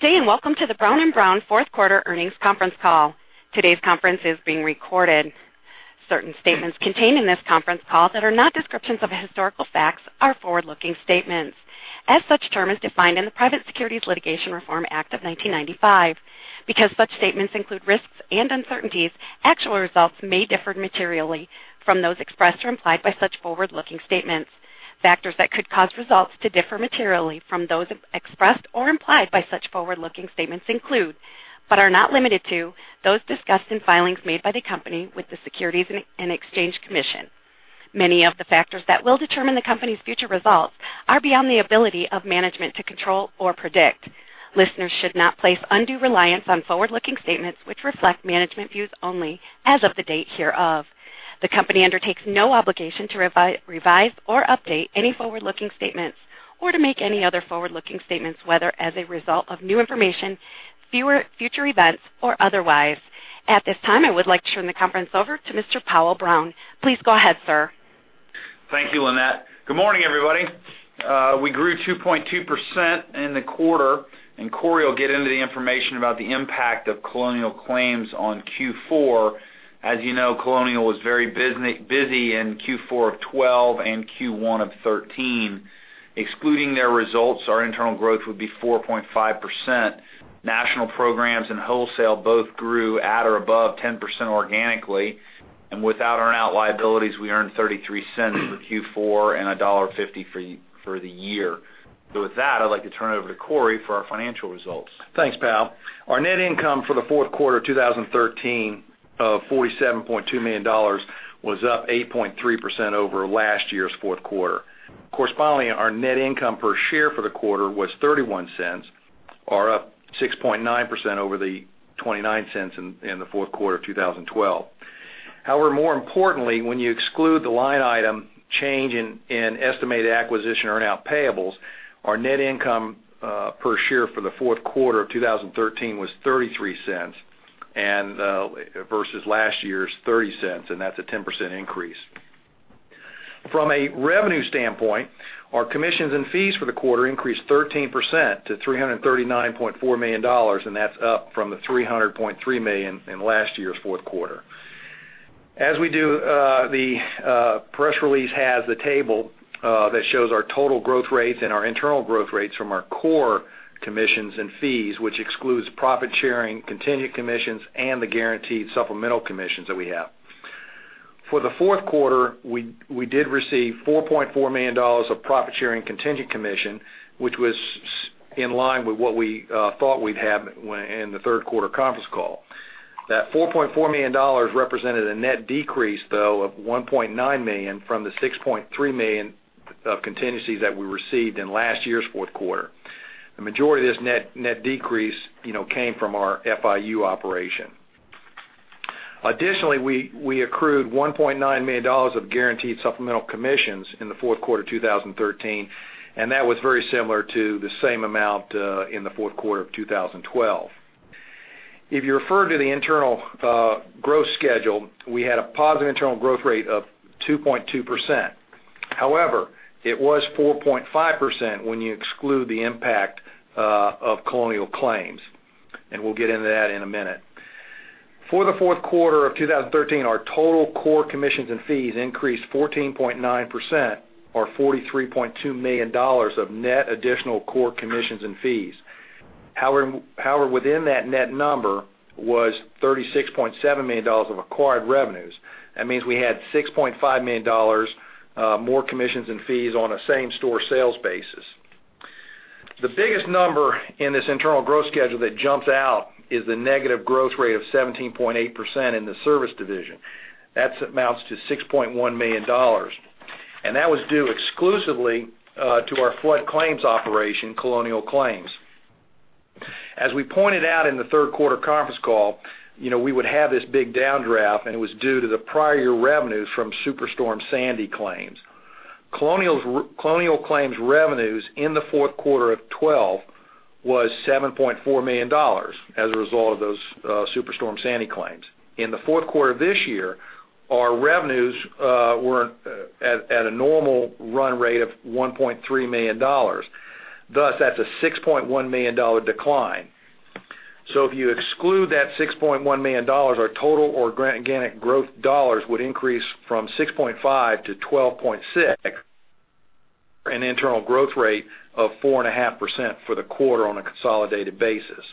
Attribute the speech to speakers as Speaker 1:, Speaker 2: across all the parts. Speaker 1: Good day, welcome to the Brown & Brown fourth quarter earnings conference call. Today's conference is being recorded. Certain statements contained in this conference call that are not descriptions of historical facts are forward-looking statements as such term is defined in the Private Securities Litigation Reform Act of 1995. Because such statements include risks and uncertainties, actual results may differ materially from those expressed or implied by such forward-looking statements. Factors that could cause results to differ materially from those expressed or implied by such forward-looking statements include, but are not limited to, those discussed in filings made by the company with the Securities and Exchange Commission. Many of the factors that will determine the company's future results are beyond the ability of management to control or predict. Listeners should not place undue reliance on forward-looking statements, which reflect management views only as of the date hereof. The company undertakes no obligation to revise or update any forward-looking statements or to make any other forward-looking statements, whether as a result of new information, future events or otherwise. At this time, I would like to turn the conference over to Mr. Powell Brown. Please go ahead, sir.
Speaker 2: Thank you, Lynette. Good morning, everybody. We grew 2.2% in the quarter. Cory will get into the information about the impact of Colonial Claims on Q4. As you know, Colonial was very busy in Q4 of 2012 and Q1 of 2013. Excluding their results, our internal growth would be 4.5%. National programs and wholesale both grew at or above 10% organically. Without earnout liabilities, we earned $0.33 for Q4 and $1.50 for the year. With that, I'd like to turn it over to Cory for our financial results.
Speaker 3: Thanks, Powell. Our net income for the fourth quarter 2013 of $47.2 million was up 8.3% over last year's fourth quarter. Correspondingly, our net income per share for the quarter was $0.31, or up 6.9% over the $0.29 in the fourth quarter of 2012. However, more importantly, when you exclude the line item change in estimated acquisition earnout payables, our net income per share for the fourth quarter of 2013 was $0.33 versus last year's $0.30, and that's a 10% increase. From a revenue standpoint, our commissions and fees for the quarter increased 13% to $339.4 million, and that's up from the $300.3 million in last year's fourth quarter. As we do, the press release has a table that shows our total growth rates and our internal growth rates from our core commissions and fees, which excludes profit sharing, contingent commissions, and the guaranteed supplemental commissions that we have. For the fourth quarter, we did receive $4.4 million of profit sharing contingent commission, which was in line with what we thought we'd have in the third quarter conference call. That $4.4 million represented a net decrease, though, of $1.9 million from the $6.3 million of contingencies that we received in last year's fourth quarter. The majority of this net decrease came from our FIU operation. Additionally, we accrued $1.9 million of guaranteed supplemental commissions in the fourth quarter 2013, and that was very similar to the same amount in the fourth quarter of 2012. If you refer to the internal growth schedule, we had a positive internal growth rate of 2.2%. However, it was 4.5% when you exclude the impact of Colonial Claims, and we'll get into that in a minute. For the fourth quarter of 2013, our total core commissions and fees increased 14.9%, or $43.2 million of net additional core commissions and fees. However, within that net number was $36.7 million of acquired revenues. That means we had $6.5 million more commissions and fees on a same-store sales basis. The biggest number in this internal growth schedule that jumps out is the negative growth rate of 17.8% in the service division. That amounts to $6.1 million, and that was due exclusively to our flood claims operation, Colonial Claims. As we pointed out in the third quarter conference call, we would have this big downdraft, and it was due to the prior year revenues from Superstorm Sandy claims. Colonial Claims revenues in the fourth quarter of 2012 was $7.4 million as a result of those Superstorm Sandy claims. In the fourth quarter of this year, our revenues were at a normal run rate of $1.3 million. Thus, that's a $6.1 million decline. If you exclude that $6.1 million, our total organic growth dollars would increase from $6.5 million to $12.6 million, an internal growth rate of 4.5% for the quarter on a consolidated basis.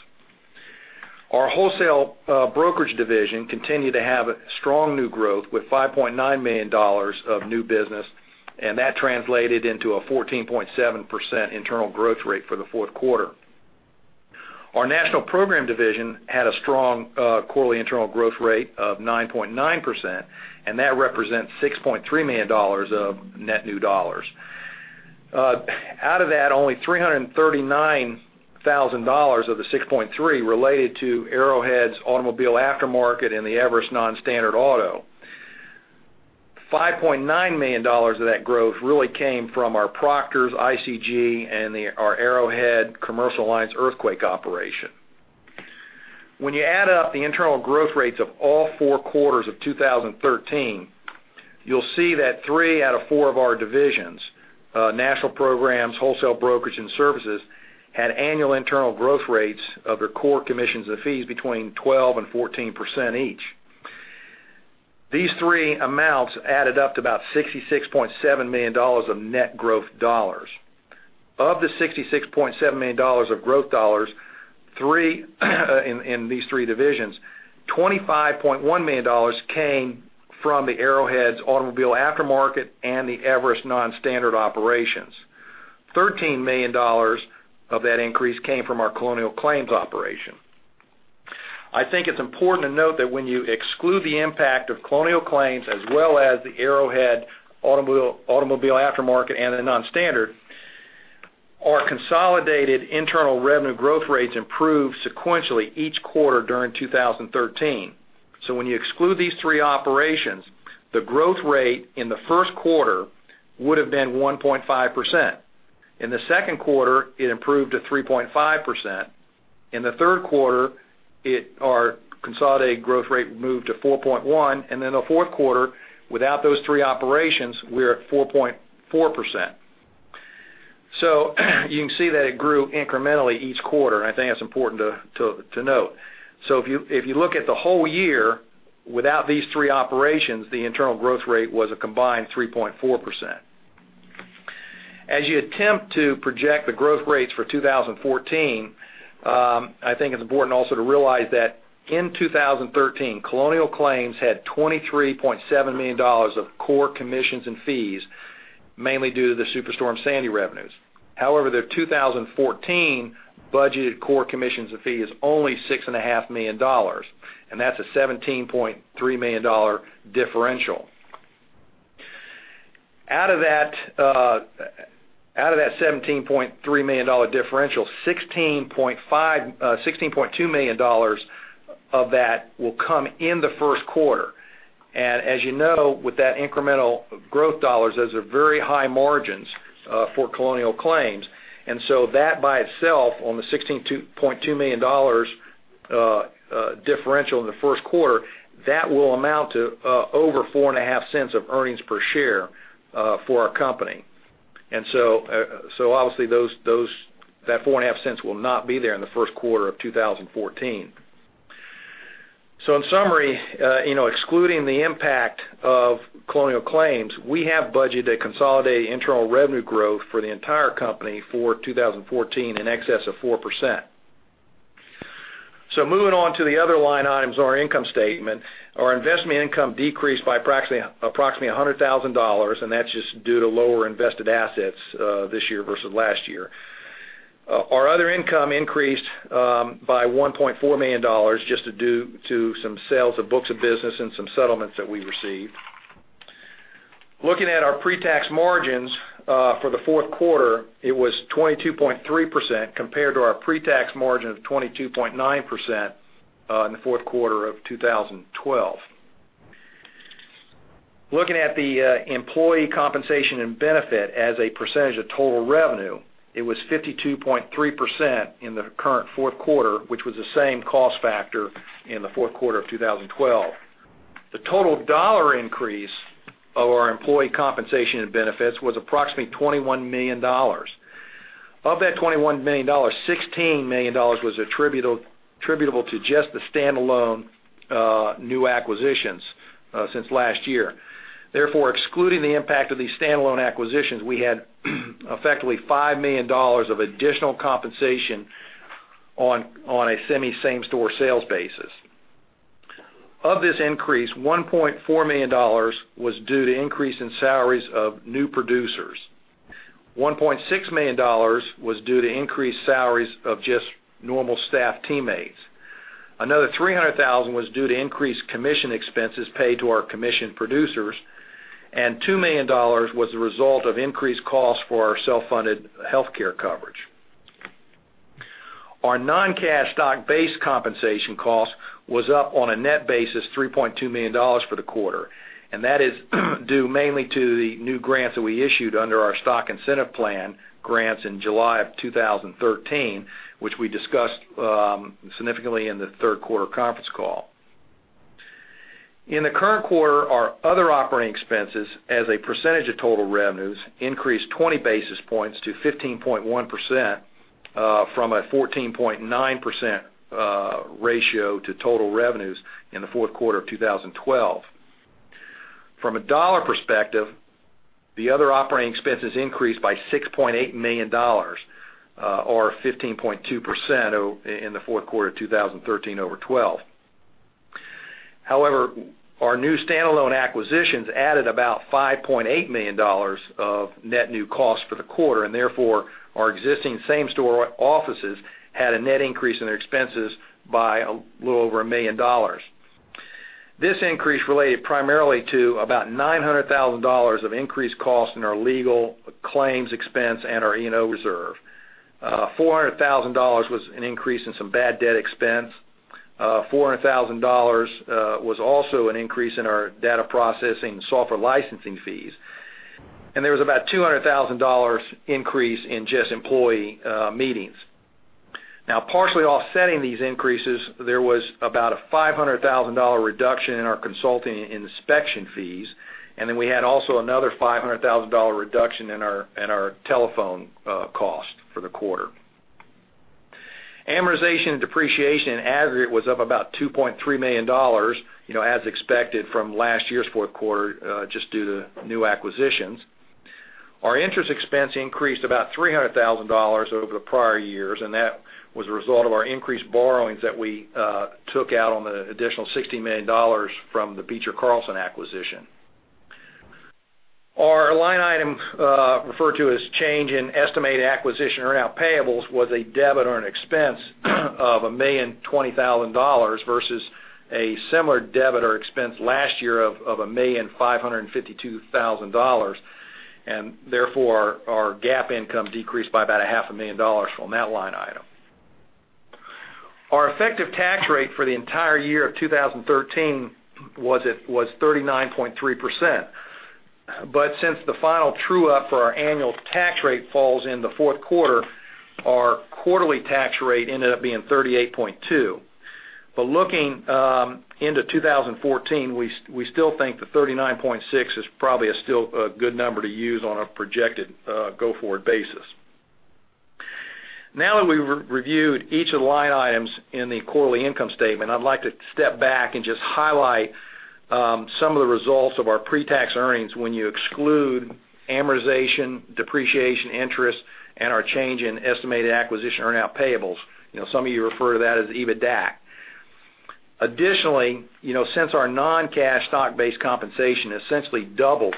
Speaker 3: Our wholesale brokerage division continued to have strong new growth with $5.9 million of new business, and that translated into a 14.7% internal growth rate for the fourth quarter. Our national program division had a strong quarterly internal growth rate of 9.9%, and that represents $6.3 million of net new dollars. Out of that, only $339,000 of the $6.3 million related to Arrowhead's automobile aftermarket and the Everest Non-Standard Auto. $5.9 million of that growth really came from our Proctors, ICG, and our Arrowhead commercial alliance earthquake operation. When you add up the internal growth rates of all four quarters of 2013, you'll see that three out of four of our divisions, National Programs, Wholesale Brokerage, and Services, had annual internal growth rates of their core commissions and fees between 12%-14% each. These three amounts added up to about $66.7 million of net growth dollars. Of the $66.7 million of growth dollars in these three divisions, $25.1 million came from the Arrowhead's automobile aftermarket and the Everest non-standard operations. $13 million of that increase came from our Colonial Claims operation. I think it's important to note that when you exclude the impact of Colonial Claims as well as the Arrowhead automobile aftermarket and the non-standard, our consolidated internal revenue growth rates improved sequentially each quarter during 2013. When you exclude these three operations, the growth rate in the first quarter would've been 1.5%. In the second quarter, it improved to 3.5%. In the third quarter, our consolidated growth rate moved to 4.1%. The fourth quarter, without those three operations, we are at 4.4%. You can see that it grew incrementally each quarter, and I think that's important to note. If you look at the whole year, without these three operations, the internal growth rate was a combined 3.4%. As you attempt to project the growth rates for 2014, I think it's important also to realize that in 2013, Colonial Claims had $23.7 million of core commissions and fees, mainly due to the Superstorm Sandy revenues. However, their 2014 budgeted core commissions and fee is only $6.5 million, and that's a $17.3 million differential. Out of that $17.3 million differential, $16.2 million of that will come in the first quarter. As you know, with that incremental growth dollars, those are very high margins for Colonial Claims. That by itself, on the $16.2 million differential in the first quarter, that will amount to over $0.045 of earnings per share for our company. Obviously that $0.045 will not be there in the first quarter of 2014. In summary, excluding the impact of Colonial Claims, we have budgeted a consolidated internal revenue growth for the entire company for 2014 in excess of 4%. Moving on to the other line items on our income statement, our investment income decreased by approximately $100,000, and that's just due to lower invested assets this year versus last year. Our other income increased by $1.4 million, just due to some sales of books of business and some settlements that we received. Looking at our pre-tax margins for the fourth quarter, it was 22.3% compared to our pre-tax margin of 22.9% in the fourth quarter of 2012. Looking at the employee compensation and benefit as a percentage of total revenue, it was 52.3% in the current fourth quarter, which was the same cost factor in the fourth quarter of 2012. The total dollar increase of our employee compensation and benefits was approximately $21 million. Of that $21 million, $16 million was attributable to just the standalone new acquisitions since last year. Therefore, excluding the impact of these standalone acquisitions, we had effectively $5 million of additional compensation on a semi-same store sales basis. Of this increase, $1.4 million was due to increase in salaries of new producers. $1.6 million was due to increased salaries of just normal staff teammates. Another $300,000 was due to increased commission expenses paid to our commission producers, and $2 million was the result of increased costs for our self-funded healthcare coverage. Our non-cash stock-based compensation cost was up on a net basis, $3.2 million for the quarter. That is due mainly to the new grants that we issued under our stock incentive plan grants in July of 2013, which we discussed significantly in the third quarter conference call. In the current quarter, our other operating expenses as a percentage of total revenues increased 20 basis points to 15.1%, from a 14.9% ratio to total revenues in the fourth quarter of 2012. From a dollar perspective, the other operating expenses increased by $6.8 million, or 15.2% in the fourth quarter of 2013 over 2012. Our new standalone acquisitions added about $5.8 million of net new costs for the quarter, and therefore our existing same store offices had a net increase in their expenses by a little over a million dollars. This increase related primarily to about $900,000 of increased costs in our legal claims expense and our E&O reserve. $400,000 was an increase in some bad debt expense. $400,000 was also an increase in our data processing software licensing fees. There was about $200,000 increase in just employee meetings. Partially offsetting these increases, there was about a $500,000 reduction in our consulting inspection fees. We had also another $500,000 reduction in our telephone cost for the quarter. Amortization and depreciation in aggregate was up about $2.3 million, as expected from last year's fourth quarter just due to new acquisitions. Our interest expense increased about $300,000 over the prior years, and that was a result of our increased borrowings that we took out on the additional $60 million from the Beecher Carlson acquisition. Our line item referred to as change in estimated acquisition earnout payables was a debit or an expense of $1,020,000 versus a similar debit or expense last year of $1,552,000. Therefore, our GAAP income decreased by about a half a million dollars from that line item. Our effective tax rate for the entire year of 2013 was 39.3%, but since the final true up for our annual tax rate falls in the fourth quarter, our quarterly tax rate ended up being 38.2%. Looking into 2014, we still think that 39.6% is probably still a good number to use on a projected go-forward basis. Now that we've reviewed each of the line items in the quarterly income statement, I'd like to step back and just highlight some of the results of our pre-tax earnings when you exclude amortization, depreciation, interest, and our change in estimated acquisition earnout payables. Some of you refer to that as EBITDAC. Since our non-cash stock-based compensation essentially doubled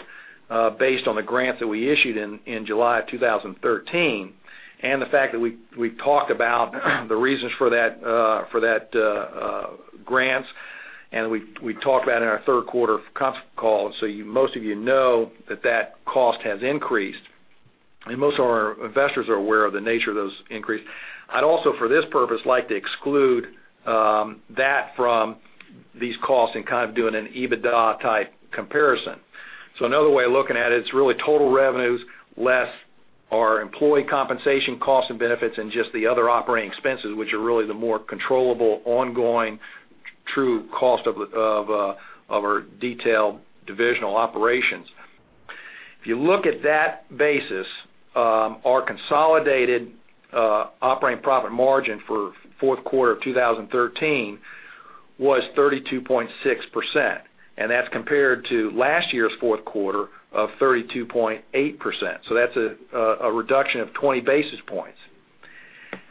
Speaker 3: based on the grants that we issued in July of 2013, the fact that we've talked about the reasons for that grants, and we talked about it in our third quarter conference call, most of you know that that cost has increased, and most of our investors are aware of the nature of those increase. I'd also, for this purpose, like to exclude that from these costs and kind of do an EBITDA type comparison. Another way of looking at it's really total revenues less our employee compensation costs and benefits and just the other operating expenses, which are really the more controllable, ongoing, true cost of our detailed divisional operations. If you look at that basis, our consolidated operating profit margin for fourth quarter of 2013 was 32.6%, and that's compared to last year's fourth quarter of 32.8%. That's a reduction of 20 basis points.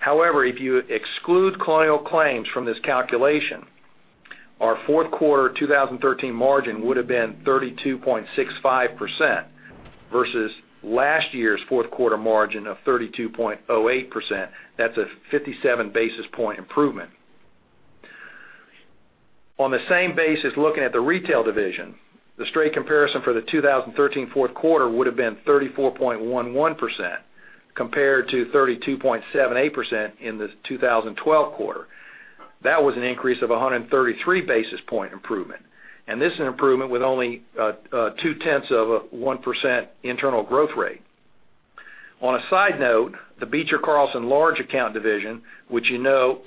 Speaker 3: However, if you exclude Colonial Claims from this calculation, our fourth quarter 2013 margin would have been 32.65% versus last year's fourth quarter margin of 32.08%. That's a 57 basis point improvement. On the same basis, looking at the retail division, the straight comparison for the 2013 fourth quarter would have been 34.11% compared to 32.78% in the 2012 quarter. That was an increase of 133 basis point improvement. This is an improvement with only two-tenths of a 1% internal growth rate. On a side note, the Beecher Carlson large account division, which you know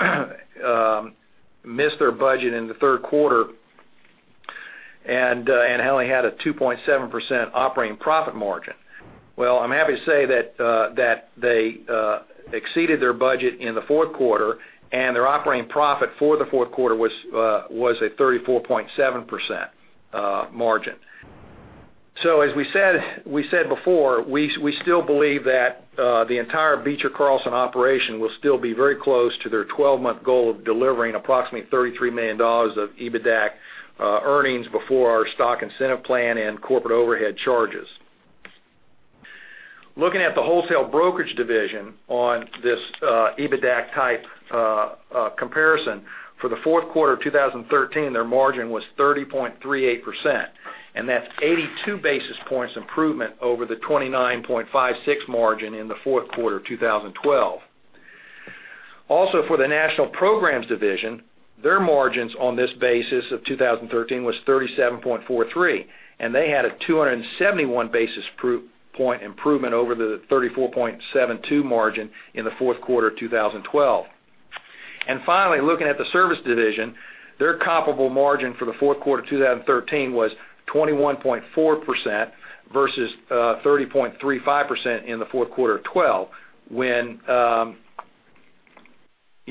Speaker 3: missed their budget in the third quarter and only had a 2.7% operating profit margin. Well, I'm happy to say that they exceeded their budget in the fourth quarter, and their operating profit for the fourth quarter was a 34.7% margin. As we said before, we still believe that the entire Beecher Carlson operation will still be very close to their 12-month goal of delivering approximately $33 million of EBITDAC earnings before our stock incentive plan and corporate overhead charges. Looking at the wholesale brokerage division on this EBITDAC type comparison, for the fourth quarter of 2013, their margin was 30.38%. That's 82 basis points improvement over the 29.56% margin in the fourth quarter of 2012. Also, for the national programs division, their margins on this basis of 2013 was 37.43%. They had a 271 basis point improvement over the 34.72% margin in the fourth quarter of 2012. Finally, looking at the service division, their comparable margin for the fourth quarter 2013 was 21.4% versus 30.35% in the fourth quarter of 2012.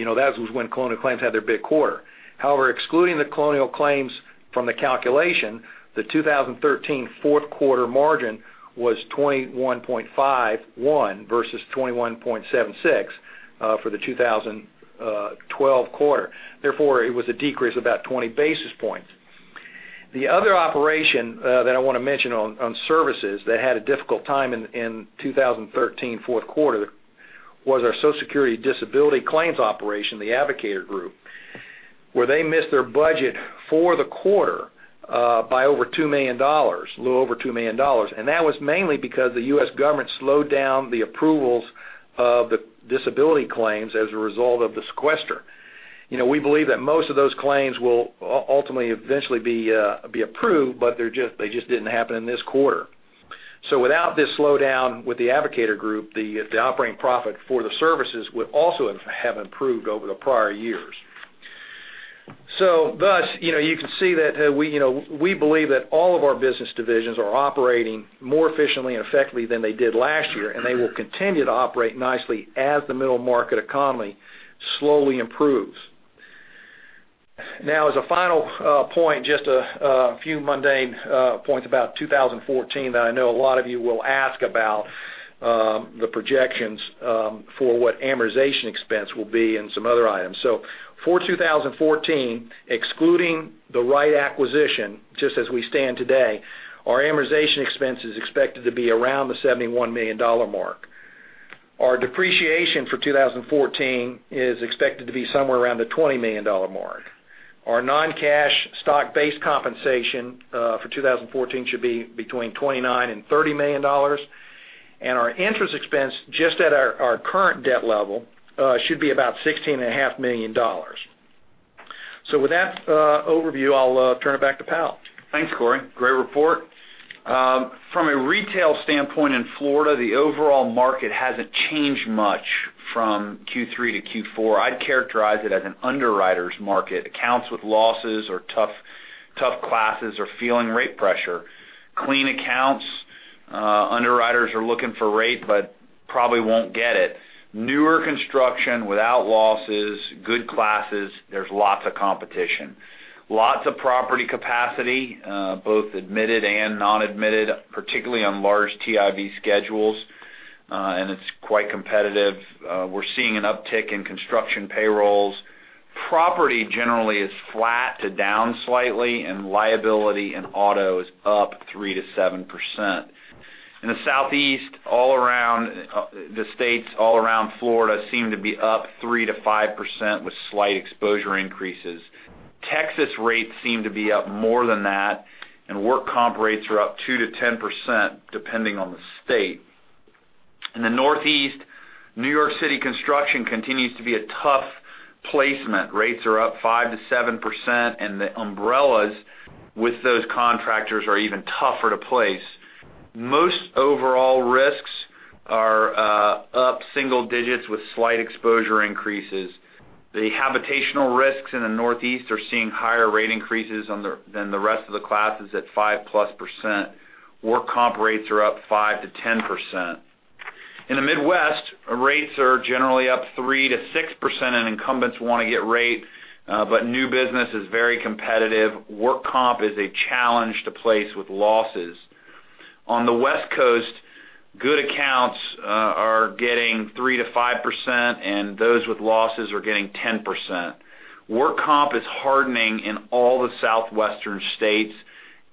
Speaker 3: That was when Colonial Claims had their big quarter. However, excluding the Colonial Claims from the calculation, the 2013 fourth quarter margin was 21.51% versus 21.76% for the 2012 quarter. Therefore, it was a decrease of about 20 basis points. The other operation that I want to mention on services that had a difficult time in 2013 fourth quarter was our Social Security Disability claims operation, The Advocator Group, where they missed their budget for the quarter by a little over $2 million. That was mainly because the U.S. government slowed down the approvals of the disability claims as a result of the sequester. We believe that most of those claims will ultimately eventually be approved, but they just didn't happen in this quarter. Without this slowdown with The Advocator Group, the operating profit for the services would also have improved over the prior years. Thus, you can see that we believe that all of our business divisions are operating more efficiently and effectively than they did last year. They will continue to operate nicely as the middle market economy slowly improves. Now, as a final point, just a few mundane points about 2014 that I know a lot of you will ask about, the projections for what amortization expense will be and some other items. For 2014, excluding The Wright acquisition, just as we stand today, our amortization expense is expected to be around the $71 million mark. Our depreciation for 2014 is expected to be somewhere around the $20 million mark. Our non-cash stock-based compensation for 2014 should be between $29 and $30 million. Our interest expense, just at our current debt level, should be about $16.5 million. With that overview, I'll turn it back to Powell.
Speaker 2: Thanks, Cory. Great report. From a retail standpoint in Florida, the overall market hasn't changed much from Q3 to Q4. I'd characterize it as an underwriter's market. Accounts with losses or tough classes are feeling rate pressure. Clean accounts, underwriters are looking for rate but probably won't get it. Newer construction without losses, good classes, there's lots of competition. Lots of property capacity, both admitted and non-admitted, particularly on large TIV schedules, and it's quite competitive. We're seeing an uptick in construction payrolls. Property generally is flat to down slightly, and liability and auto is up 3%-7%. In the Southeast, the states all around Florida seem to be up 3%-5% with slight exposure increases. Texas rates seem to be up more than that, and work comp rates are up 2%-10%, depending on the state. In the Northeast, New York City construction continues to be a tough placement. Rates are up 5%-7%, and the umbrellas with those contractors are even tougher to place. Most overall risks are up single digits with slight exposure increases. The habitational risks in the Northeast are seeing higher rate increases than the rest of the classes at 5%+. Work comp rates are up 5%-10%. In the Midwest, rates are generally up 3%-6%, and incumbents want to get rate, but new business is very competitive. Work comp is a challenge to place with losses. On the West Coast, good accounts are getting 3%-5%, and those with losses are getting 10%. Work comp is hardening in all the Southwestern states.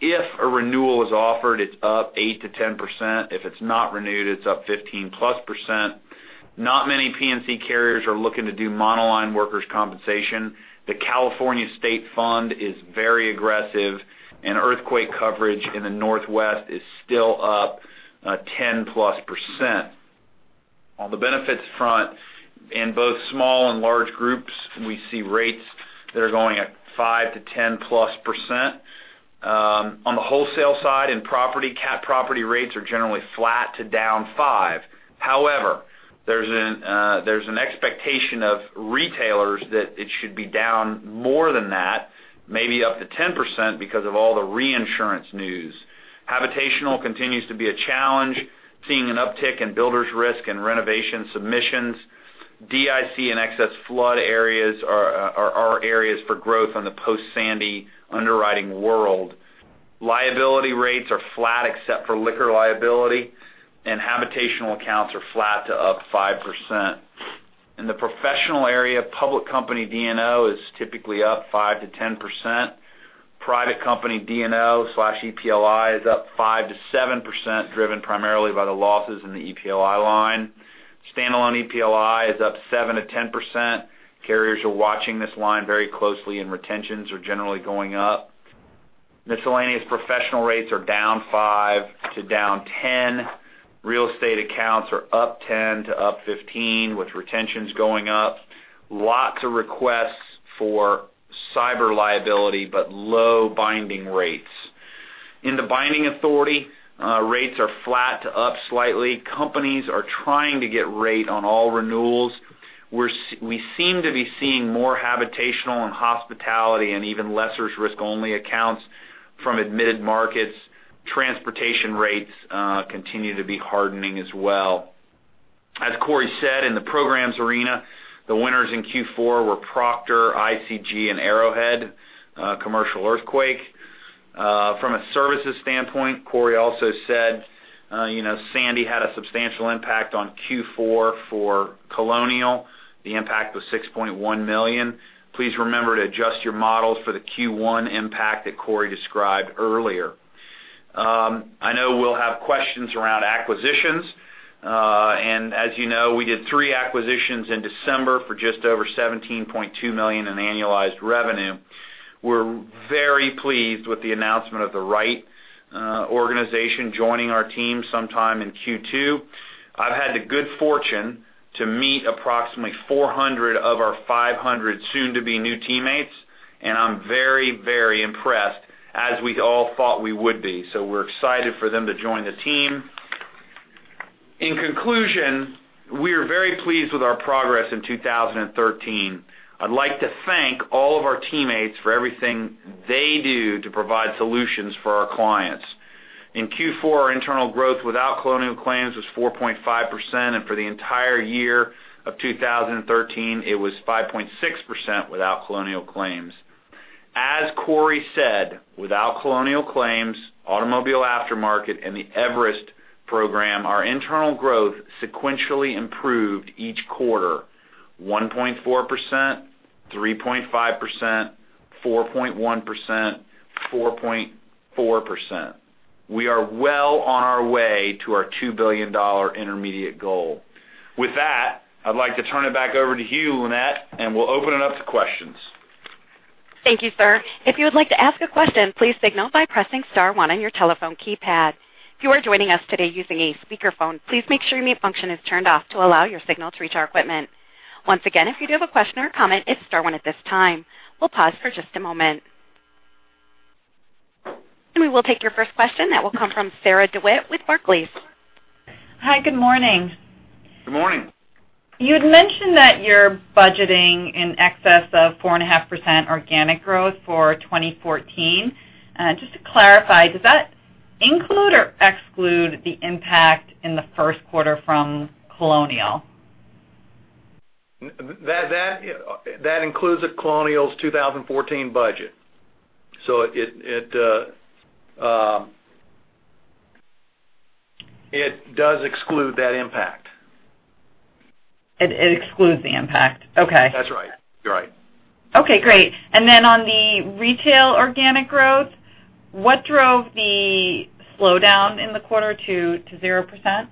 Speaker 2: If a renewal is offered, it's up 8%-10%. If it's not renewed, it's up 15%+. Not many P&C carriers are looking to do monoline workers' compensation. The California State Fund is very aggressive, and earthquake coverage in the Northwest is still up 10%+. On the benefits front, in both small and large groups, we see rates that are going at 5%-10%+. On the wholesale side in property, cat property rates are generally flat to down 5%. However, there's an expectation of retailers that it should be down more than that, maybe up to 10%, because of all the reinsurance news. Habitational continues to be a challenge, seeing an uptick in builders risk and renovation submissions. DIC and excess flood areas are our areas for growth on the post-Sandy underwriting world. Liability rates are flat except for liquor liability, and habitational accounts are flat to up 5%. In the professional area, public company D&O is typically up 5%-10%. Private company D&O/EPLI is up 5%-7%, driven primarily by the losses in the EPLI line. Standalone EPLI is up 7%-10%. Carriers are watching this line very closely, and retentions are generally going up. Miscellaneous professional rates are down 5% to down 10%. Real estate accounts are up 10% to up 15%, with retentions going up. Lots of requests for cyber liability, but low binding rates. In the binding authority, rates are flat to up slightly. Companies are trying to get rate on all renewals. We seem to be seeing more habitational and hospitality and even lessors risk-only accounts from admitted markets. Transportation rates continue to be hardening as well. As Cory said, in the programs arena, the winners in Q4 were Proctor, ICG, and Arrowhead Commercial Earthquake. From a services standpoint, Cory also said Sandy had a substantial impact on Q4 for Colonial Claims. The impact was $6.1 million. Please remember to adjust your models for the Q1 impact that Cory described earlier. I know we'll have questions around acquisitions. As you know, we did three acquisitions in December for just over $17.2 million in annualized revenue. We're very pleased with the announcement of the Wright organization joining our team sometime in Q2. I've had the good fortune to meet approximately 400 of our 500 soon-to-be new teammates, and I'm very, very impressed, as we all thought we would be. We're excited for them to join the team. In conclusion, we are very pleased with our progress in 2013. I'd like to thank all of our teammates for everything they do to provide solutions for our clients. In Q4, our internal growth without Colonial Claims was 4.5%, and for the entire year of 2013, it was 5.6% without Colonial Claims. As Cory said, without Colonial Claims, automobile aftermarket, and the Everest program, our internal growth sequentially improved each quarter, 1.4%, 3.5%, 4.1%, 4.4%. We are well on our way to our $2 billion intermediate goal. With that, I'd like to turn it back over to you, Lynette, and we'll open it up to questions.
Speaker 1: Thank you, sir. If you would like to ask a question, please signal by pressing star one on your telephone keypad. If you are joining us today using a speakerphone, please make sure mute function is turned off to allow your signal to reach our equipment. Once again, if you do have a question or comment, it's star one at this time. We'll pause for just a moment. We will take your first question. That will come from Sarah DeWitt with Barclays.
Speaker 4: Hi, good morning.
Speaker 2: Good morning.
Speaker 4: You'd mentioned that you're budgeting in excess of 4.5% organic growth for 2014. Just to clarify, does that include or exclude the impact in the first quarter from Colonial?
Speaker 2: That includes Colonial's 2014 budget. It does exclude that impact.
Speaker 4: It excludes the impact. Okay.
Speaker 2: That's right. You're right.
Speaker 4: Okay, great. Then on the retail organic growth, what drove the slowdown in the quarter to 0%?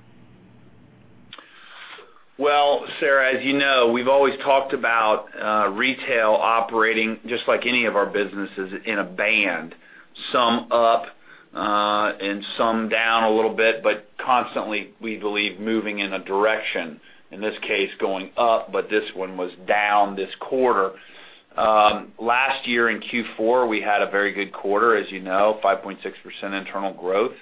Speaker 2: Well, Sarah, as you know, we've always talked about retail operating, just like any of our businesses, in a band, some up and some down a little bit, but constantly, we believe, moving in a direction, in this case, going up, but this one was down this quarter. Last year in Q4, we had a very good quarter, as you know, 5.6% internal growth.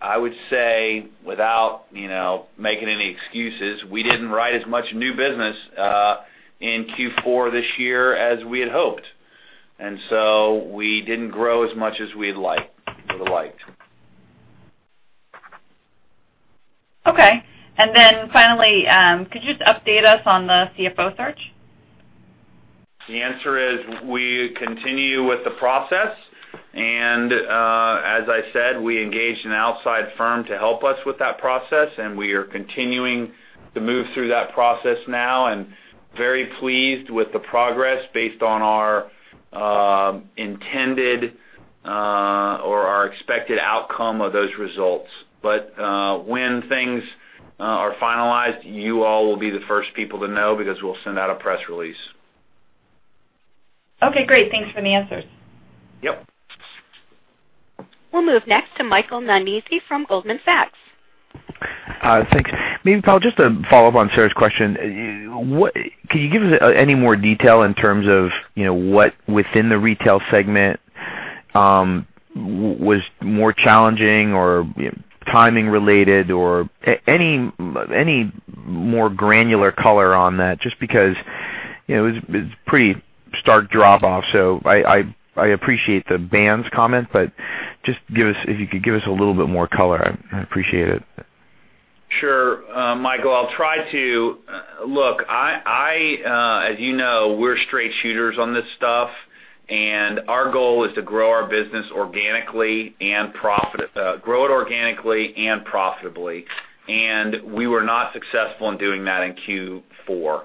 Speaker 2: I would say, without making any excuses, we didn't write as much new business in Q4 this year as we had hoped. We didn't grow as much as we'd liked or would like.
Speaker 4: Okay. Finally, could you just update us on the CFO search?
Speaker 2: The answer is we continue with the process. As I said, we engaged an outside firm to help us with that process, we are continuing to move through that process now and very pleased with the progress based on our intended or our expected outcome of those results. When things are finalized, you all will be the first people to know because we'll send out a press release.
Speaker 4: Okay, great. Thanks for the answers.
Speaker 2: Yep.
Speaker 1: We'll move next to Michael Nannizzi from Goldman Sachs.
Speaker 5: Thanks. Powell, just to follow up on Sarah's question, can you give us any more detail in terms of what within the retail segment was more challenging or timing related or any more granular color on that? Because it was pretty stark drop off. I appreciate the bands comment, but if you could give us a little bit more color, I'd appreciate it.
Speaker 2: Sure. Michael, I'll try to. Look, as you know, we're straight shooters on this stuff, and our goal is to grow our business organically and profitably. We were not successful in doing that in Q4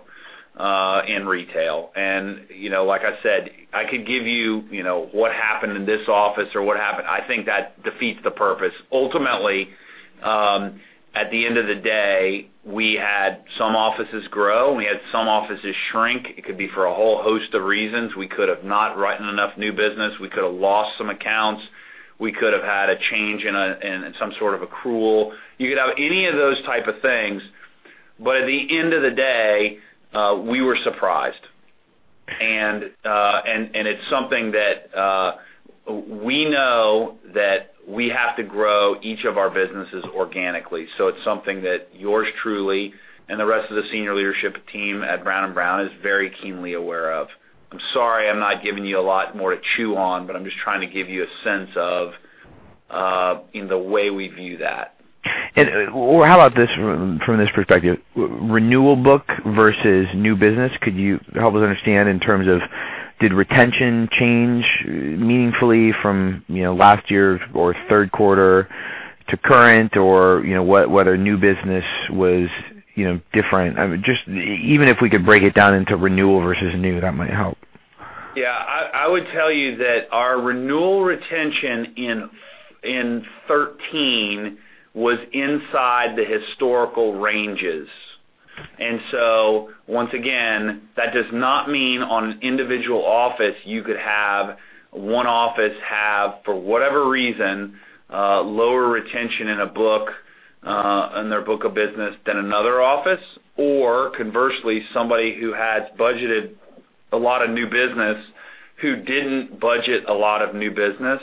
Speaker 2: in retail. Like I said, I could give you what happened in this office or what happened. I think that defeats the purpose. Ultimately, at the end of the day, we had some offices grow, and we had some offices shrink. It could be for a whole host of reasons. We could have not written enough new business. We could have lost some accounts. We could have had a change in some sort of accrual. You could have any of those type of things. At the end of the day, we were surprised. It's something that we know that we have to grow each of our businesses organically. It's something that yours truly and the rest of the senior leadership team at Brown & Brown is very keenly aware of. I'm sorry I'm not giving you a lot more to chew on, but I'm just trying to give you a sense of the way we view that.
Speaker 5: How about this from this perspective, renewal book versus new business? Could you help us understand in terms of did retention change meaningfully from last year or third quarter to current, or whether new business was different? Even if we could break it down into renewal versus new, that might help.
Speaker 2: Yeah. I would tell you that our renewal retention in 2013 was inside the historical ranges. Once again, that does not mean on an individual office, you could have one office have, for whatever reason, lower retention in their book of business than another office, or conversely, somebody who has budgeted a lot of new business, who didn't budget a lot of new business.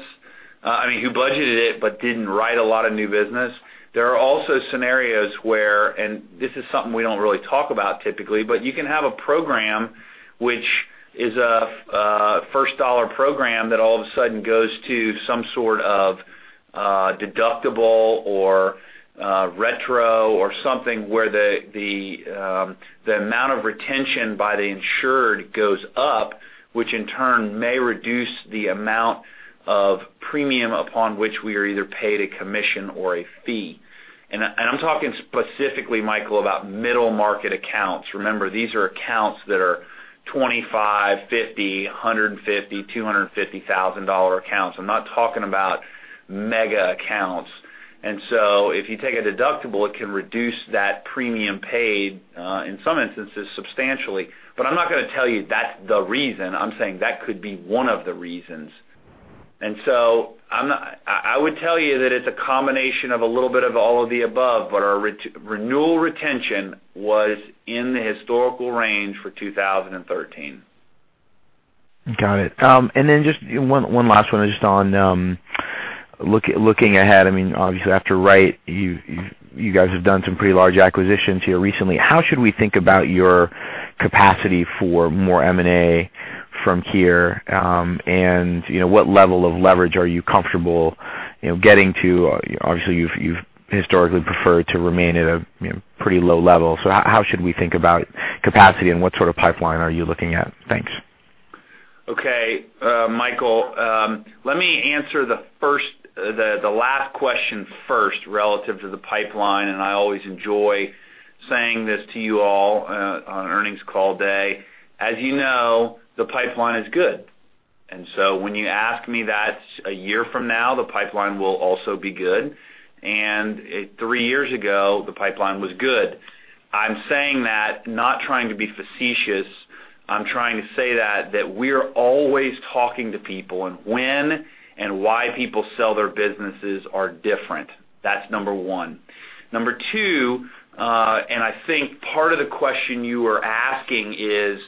Speaker 2: I mean, who budgeted it but didn't write a lot of new business. There are also scenarios where, and this is something we don't really talk about typically, but you can have a program which is a first dollar program that all of a sudden goes to some sort of deductible or retro or something where the amount of retention by the insured goes up, which in turn may reduce the amount of premium upon which we are either paid a commission or a fee. I'm talking specifically, Michael, about middle market accounts. Remember, these are accounts that are 25, 50, 150, $250,000 accounts. I'm not talking about mega accounts. If you take a deductible, it can reduce that premium paid, in some instances, substantially. I'm not going to tell you that's the reason. I'm saying that could be one of the reasons. I would tell you that it's a combination of a little bit of all of the above, but our renewal retention was in the historical range for 2013.
Speaker 5: Got it. Just one last one, just on looking ahead, obviously after Wright, you guys have done some pretty large acquisitions here recently. How should we think about your capacity for more M&A from here? What level of leverage are you comfortable getting to? Obviously, you've historically preferred to remain at a pretty low level. How should we think about capacity, and what sort of pipeline are you looking at? Thanks.
Speaker 2: Michael, let me answer the last question first relative to the pipeline, and I always enjoy saying this to you all on earnings call day. As you know, the pipeline is good. When you ask me that a year from now, the pipeline will also be good. Three years ago, the pipeline was good. I'm saying that not trying to be facetious. I'm trying to say that we're always talking to people, and when and why people sell their businesses are different. That's number 1. Number 2, and I think part of the question you are asking is,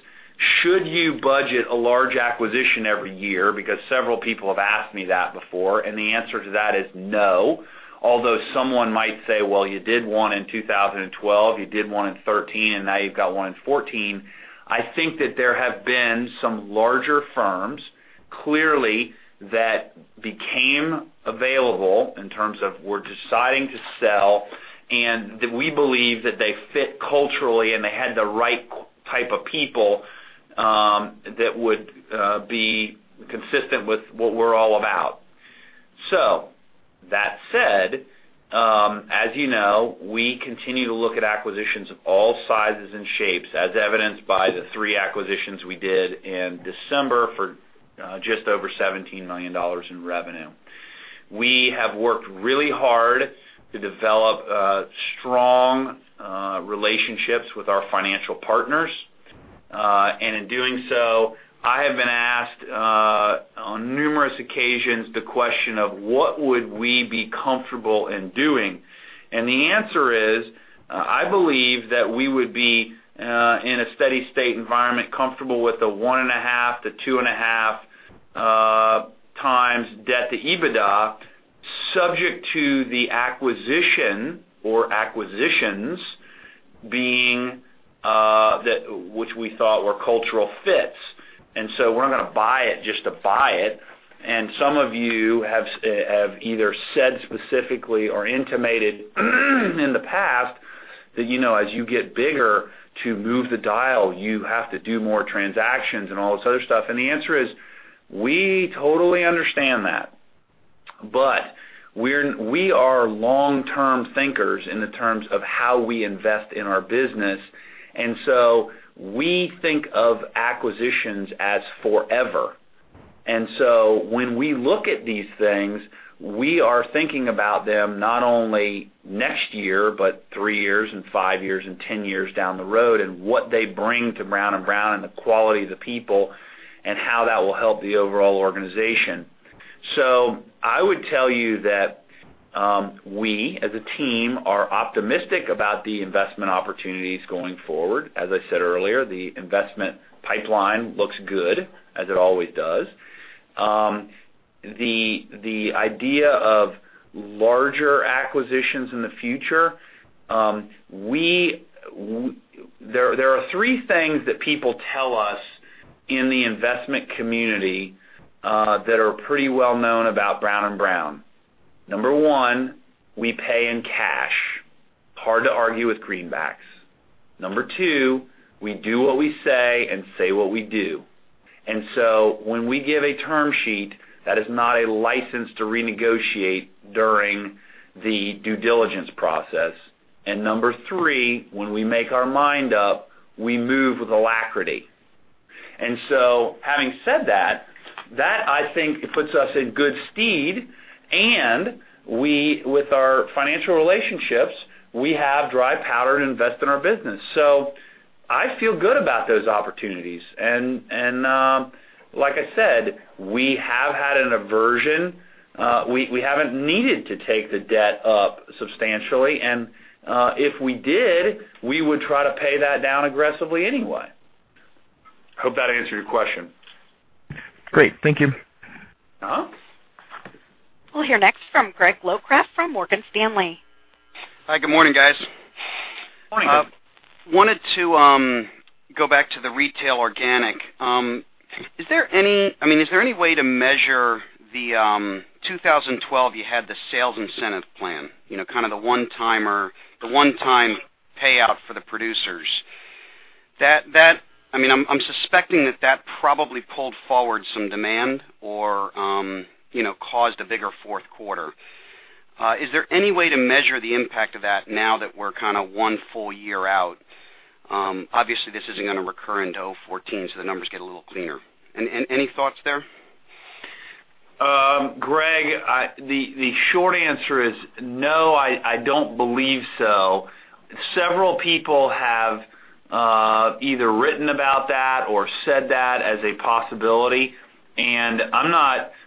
Speaker 2: should you budget a large acquisition every year? Several people have asked me that before, and the answer to that is no. Although someone might say, "Well, you did one in 2012, you did one in 2013, and now you've got one in 2014." I think that there have been some larger firms, clearly, that became available in terms of were deciding to sell, and that we believe that they fit culturally, and they had the right type of people, that would be consistent with what we're all about. That said, as you know, we continue to look at acquisitions of all sizes and shapes, as evidenced by the three acquisitions we did in December for just over $17 million in revenue. We have worked really hard to develop strong relationships with our financial partners. In doing so, I have been asked on numerous occasions the question of what would we be comfortable in doing. The answer is, I believe that we would be, in a steady state environment, comfortable with the one and a half to two and a half times debt to EBITDA, subject to the acquisition or acquisitions being that which we thought were cultural fits. So we're not going to buy it just to buy it. Some of you have either said specifically or intimated in the past that as you get bigger, to move the dial you have to do more transactions and all this other stuff. The answer is, we totally understand that. We are long-term thinkers in the terms of how we invest in our business. So we think of acquisitions as forever. When we look at these things, we are thinking about them not only next year, but three years and five years and 10 years down the road, and what they bring to Brown & Brown and the quality of the people and how that will help the overall organization. I would tell you that we, as a team, are optimistic about the investment opportunities going forward. As I said earlier, the investment pipeline looks good, as it always does. The idea of larger acquisitions in the future, there are three things that people tell us in the investment community that are pretty well known about Brown & Brown. Number 1, we pay in cash. Hard to argue with greenbacks. Number 2, we do what we say and say what we do. When we give a term sheet, that is not a license to renegotiate during the due diligence process. Number three, when we make our mind up, we move with alacrity. Having said that I think puts us in good stead, and with our financial relationships, we have dry powder to invest in our business. I feel good about those opportunities. Like I said, we have had an aversion. We haven't needed to take the debt up substantially, and, if we did, we would try to pay that down aggressively anyway. Hope that answered your question.
Speaker 5: Great. Thank you.
Speaker 1: We'll hear next from Gregory Locraft from Morgan Stanley.
Speaker 6: Hi. Good morning, guys.
Speaker 2: Morning, Greg.
Speaker 6: Wanted to go back to the retail organic. Is there any way to measure the 2012, you had the Sales Incentive Plan, kind of the one-time payout for the producers. I'm suspecting that that probably pulled forward some demand or caused a bigger fourth quarter. Is there any way to measure the impact of that now that we're kind of one full year out? Obviously, this isn't going to recur into 2014, so the numbers get a little clearer. Any thoughts there?
Speaker 2: Greg, the short answer is no, I don't believe so. Several people have either written about that or said that as a possibility.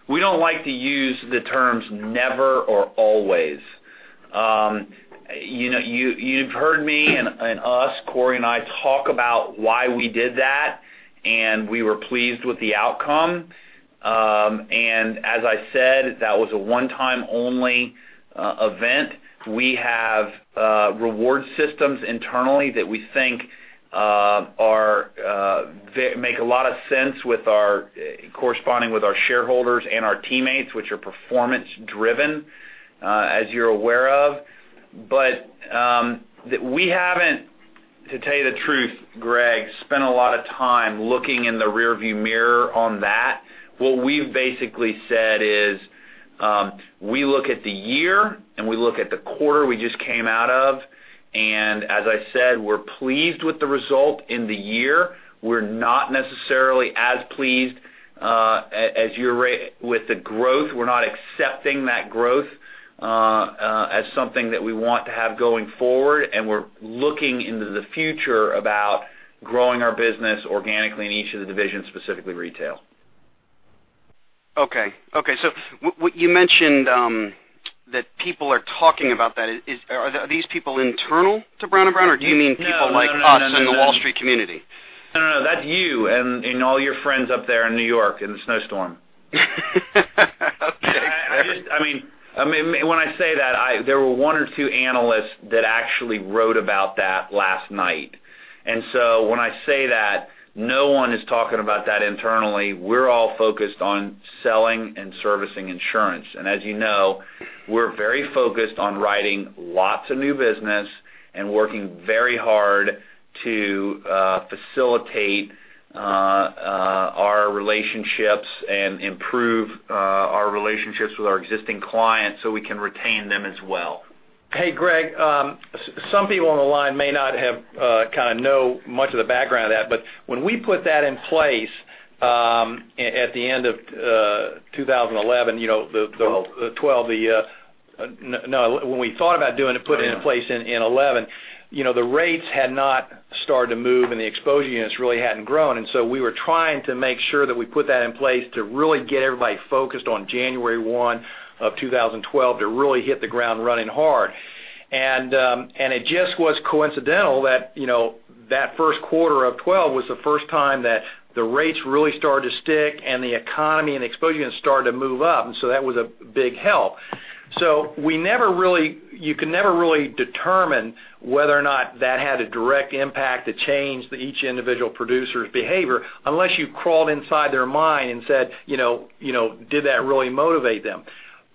Speaker 2: We don't like to use the terms never or always. You've heard me and us, Cory and I, talk about why we did that, and we were pleased with the outcome. As I said, that was a one-time only event. We have reward systems internally that we think make a lot of sense corresponding with our shareholders and our teammates, which are performance driven, as you're aware of. We haven't, to tell you the truth, Greg, spent a lot of time looking in the rearview mirror on that. What we've basically said is, we look at the year, and we look at the quarter we just came out of. As I said, we're pleased with the result in the year. We're not necessarily as pleased with the growth. We're not accepting that growth as something that we want to have going forward. We're looking into the future about growing our business organically in each of the divisions, specifically retail.
Speaker 6: Okay. You mentioned that people are talking about that. Are these people internal to Brown & Brown? Or do you mean people like us in the Wall Street community?
Speaker 2: No, that's you and all your friends up there in New York in the snowstorm.
Speaker 6: Okay. Fair.
Speaker 2: When I say that, there were one or two analysts that actually wrote about that last night. When I say that, no one is talking about that internally. We're all focused on selling and servicing insurance. As you know, we're very focused on writing lots of new business and working very hard to facilitate our relationships and improve our relationships with our existing clients so we can retain them as well.
Speaker 3: Hey, Greg, some people on the line may not know much of the background of that. When we put that in place at the end of 2011.
Speaker 2: 12.
Speaker 3: No, when we thought about doing it, putting it in place in 2011, the rates had not started to move, and the exposure units really hadn't grown. We were trying to make sure that we put that in place to really get everybody focused on January 1 of 2012, to really hit the ground running hard. It just was coincidental that first quarter of 2012 was the first time that the rates really started to stick and the economy and exposure units started to move up. That was a big help. You can never really determine whether or not that had a direct impact to change each individual producer's behavior unless you crawled inside their mind and said, did that really motivate them?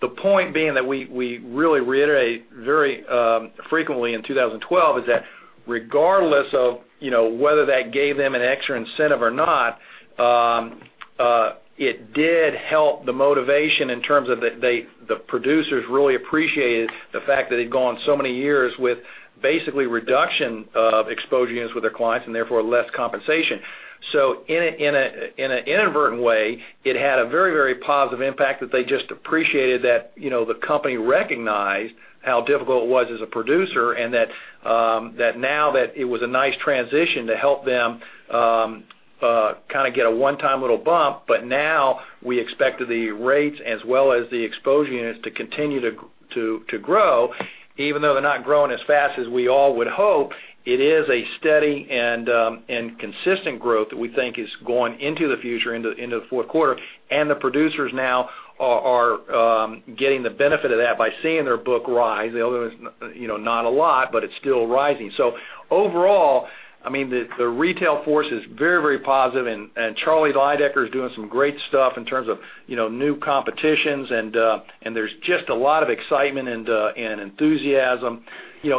Speaker 3: The point being that we really reiterate very frequently in 2012 is that regardless of whether that gave them an extra incentive or not, it did help the motivation in terms of the producers really appreciated the fact that they'd gone so many years with basically reduction of exposure units with their clients, and therefore, less compensation. In an inadvertent way, it had a very positive impact that they just appreciated that the company recognized how difficult it was as a producer, and that now that it was a nice transition to help them kind of get a one-time little bump. Now we expect the rates as well as the exposure units to continue to grow. Even though they're not growing as fast as we all would hope, it is a steady and consistent growth that we think is going into the future, into the fourth quarter. The producers now are getting the benefit of that by seeing their book rise. Although it's not a lot, but it's still rising. Overall, the retail force is very positive, and Charles Lydecker is doing some great stuff in terms of new competitions, and there's just a lot of excitement and enthusiasm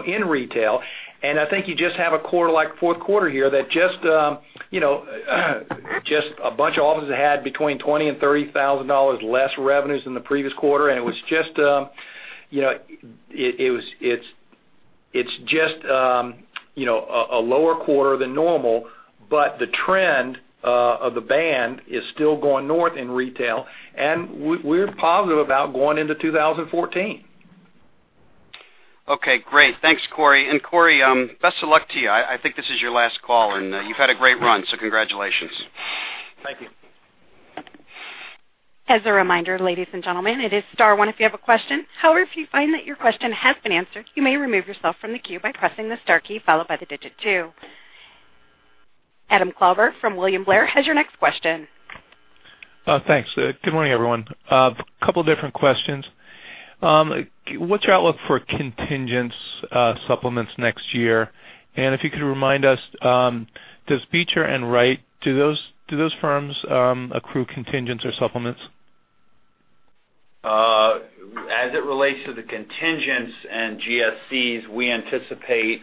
Speaker 3: in retail. I think you just have a quarter like fourth quarter here that just a bunch of offices that had between $20,000 and $30,000 less revenues than the previous quarter, and it's.
Speaker 2: It's just a lower quarter than normal. The trend of the band is still going north in retail, we're positive about going into 2014.
Speaker 6: Okay, great. Thanks, Cory. Cory, best of luck to you. I think this is your last call, and you've had a great run, congratulations.
Speaker 3: Thank you.
Speaker 1: As a reminder, ladies and gentlemen, it is star one if you have a question. However, if you find that your question has been answered, you may remove yourself from the queue by pressing the star key followed by the digit two. Adam Klauber from William Blair has your next question.
Speaker 7: Thanks. Good morning, everyone. Couple different questions. What's your outlook for contingent supplements next year? If you could remind us, does Beecher and Wright, do those firms accrue contingents or supplements?
Speaker 2: As it relates to the contingents and GSCs, we anticipate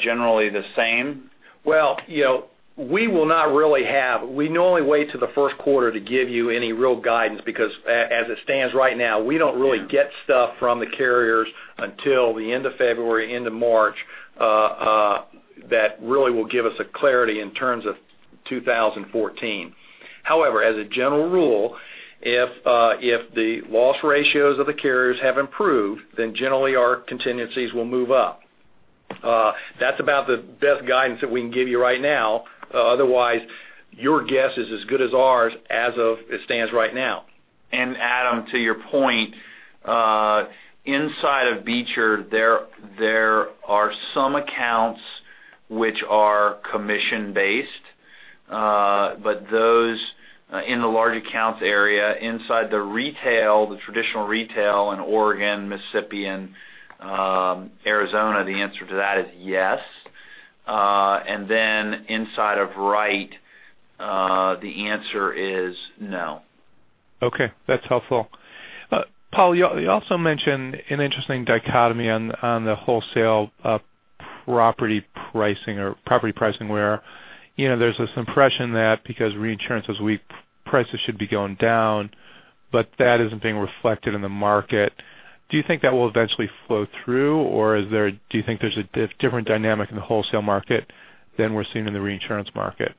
Speaker 2: generally the same.
Speaker 3: Well, we normally wait till the first quarter to give you any real guidance, because as it stands right now, we don't really get stuff from the carriers until the end of February, end of March, that really will give us a clarity in terms of 2014. However, as a general rule, if the loss ratios of the carriers have improved, then generally our contingencies will move up. That's about the best guidance that we can give you right now. Otherwise, your guess is as good as ours as of it stands right now.
Speaker 2: Adam, to your point, inside of Beecher, there are some accounts which are commission-based. Those in the large accounts area inside the retail, the traditional retail in Oregon, Mississippi, and Arizona, the answer to that is yes. Then inside of Wright, the answer is no.
Speaker 7: Okay, that's helpful. Powell, you also mentioned an interesting dichotomy on the wholesale property pricing or property pricing where there's this impression that because reinsurance is weak, prices should be going down, but that isn't being reflected in the market. Do you think that will eventually flow through, or do you think there's a different dynamic in the wholesale market than we're seeing in the reinsurance market?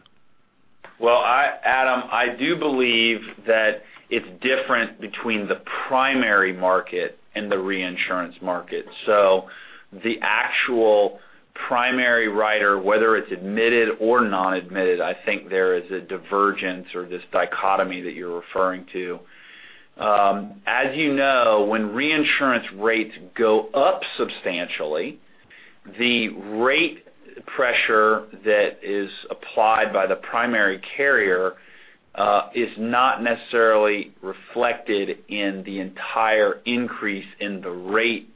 Speaker 2: Well, Adam, I do believe that it's different between the primary market and the reinsurance market. The actual primary writer, whether it's admitted or non-admitted, I think there is a divergence or this dichotomy that you're referring to. As you know, when reinsurance rates go up substantially, the rate pressure that is applied by the primary carrier, is not necessarily reflected in the entire increase in the rate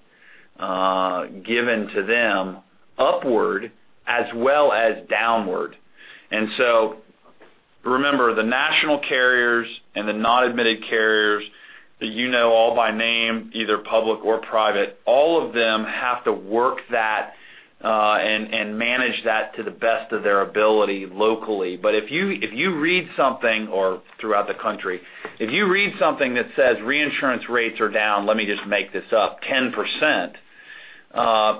Speaker 2: given to them upward as well as downward. Remember, the national carriers and the non-admitted carriers that you know all by name, either public or private, all of them have to work that and manage that to the best of their ability locally. If you read something or throughout the country, if you read something that says reinsurance rates are down, let me just make this up, 10%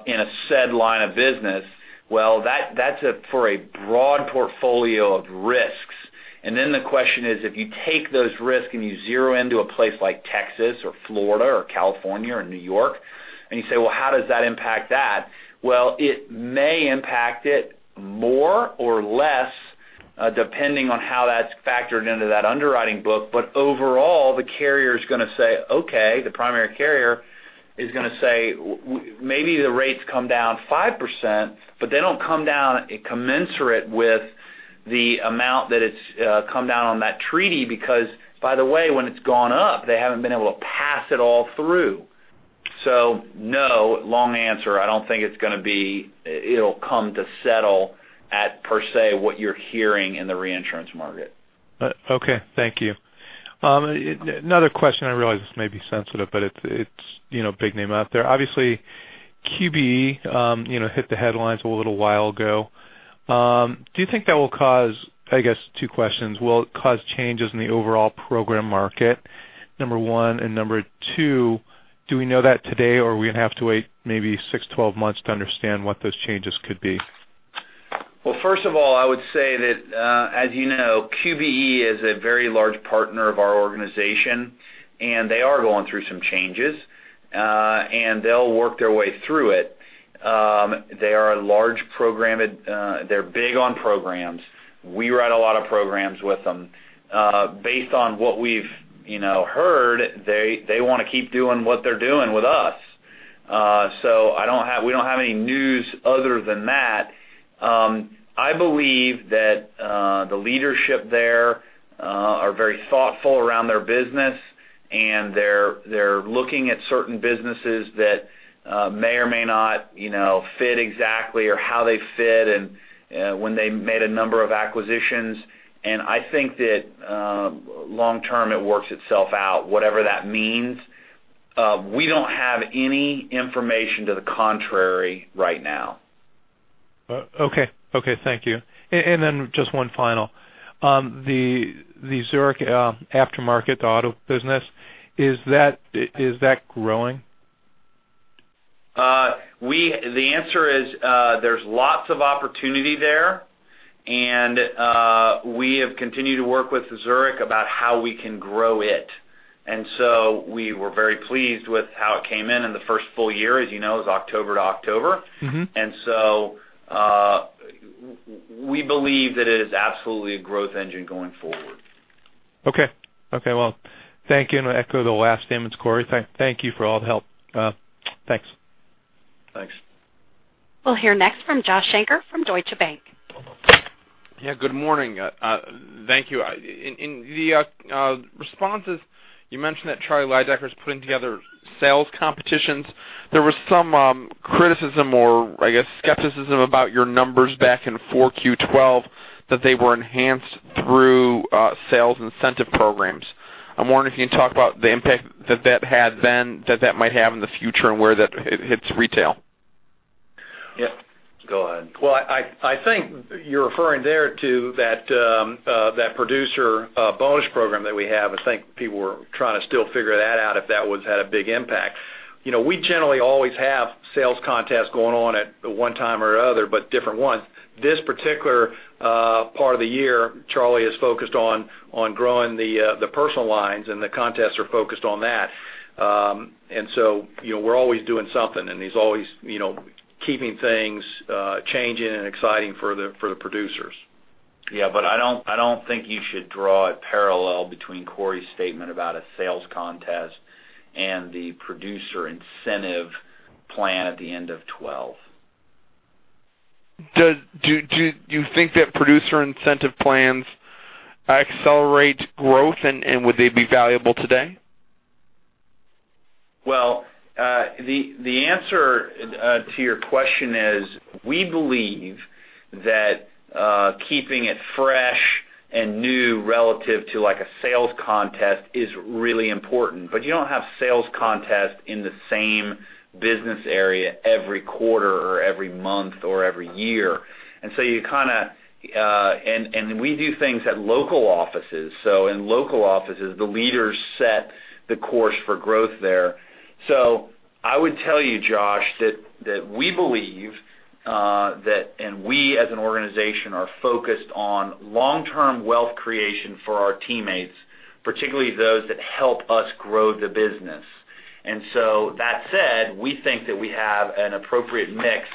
Speaker 2: in a said line of business, well, that's for a broad portfolio of risks. The question is, if you take those risks and you zero into a place like Texas or Florida or California or New York, and you say, "Well, how does that impact that?" Well, it may impact it more or less, depending on how that's factored into that underwriting book. Overall, the carrier's going to say, okay. The primary carrier is going to say, maybe the rates come down 5%, but they don't come down commensurate with the amount that it's come down on that treaty, because, by the way, when it's gone up, they haven't been able to pass it all through. No, long answer. I don't think it'll come to settle at per se what you're hearing in the reinsurance market.
Speaker 7: Okay, thank you. Another question, I realize this may be sensitive, but it's big name out there. Obviously, QBE hit the headlines a little while ago. Do you think that will cause, I guess two questions. Will it cause changes in the overall program market, number one? Number two, do we know that today, or are we going to have to wait maybe six, 12 months to understand what those changes could be?
Speaker 2: Well, first of all, I would say that, as you know, QBE is a very large partner of our organization, and they are going through some changes. They'll work their way through it. They are a large program. They're big on programs. We write a lot of programs with them. Based on what we've heard, they want to keep doing what they're doing with us. We don't have any news other than that. I believe that the leadership there are very thoughtful around their business, and they're looking at certain businesses that may or may not fit exactly or how they fit and when they made a number of acquisitions. I think that long term, it works itself out, whatever that means. We don't have any information to the contrary right now.
Speaker 7: Okay. Thank you. Just one final. The Zurich aftermarket, the auto business, is that growing?
Speaker 2: The answer is, there's lots of opportunity there, and we have continued to work with Zurich about how we can grow it. We were very pleased with how it came in in the first full year, as you know, is October to October. We believe that it is absolutely a growth engine going forward.
Speaker 7: Okay. Well, thank you. I echo the last statements, Cory. Thank you for all the help. Thanks.
Speaker 2: Thanks.
Speaker 1: We'll hear next from Joshua Shanker from Deutsche Bank.
Speaker 8: Good morning. Thank you. In the responses, you mentioned that Charles Lydecker is putting together sales competitions. There was some criticism or, I guess, skepticism about your numbers back in 4Q 2012, that they were enhanced through sales incentive programs. I'm wondering if you can talk about the impact that that had then, that that might have in the future, and where that hits retail.
Speaker 2: Yeah, go ahead.
Speaker 3: Well, I think you're referring there to that producer bonus program that we have. I think people were trying to still figure that out, if that one's had a big impact. We generally always have sales contests going on at one time or other, but different ones. This particular part of the year, Charlie is focused on growing the personal lines, and the contests are focused on that. We're always doing something, and he's always keeping things changing and exciting for the producers.
Speaker 2: Yeah, I don't think you should draw a parallel between Cory's statement about a sales contest and the producer incentive plan at the end of 2012.
Speaker 8: Do you think that producer incentive plans accelerate growth, and would they be valuable today?
Speaker 2: The answer to your question is, we believe that keeping it fresh and new relative to a sales contest is really important. You don't have sales contests in the same business area every quarter or every month or every year. We do things at local offices, so in local offices, the leaders set the course for growth there. I would tell you, Josh, that we believe that, we as an organization are focused on long-term wealth creation for our teammates, particularly those that help us grow the business. That said, we think that we have an appropriate mix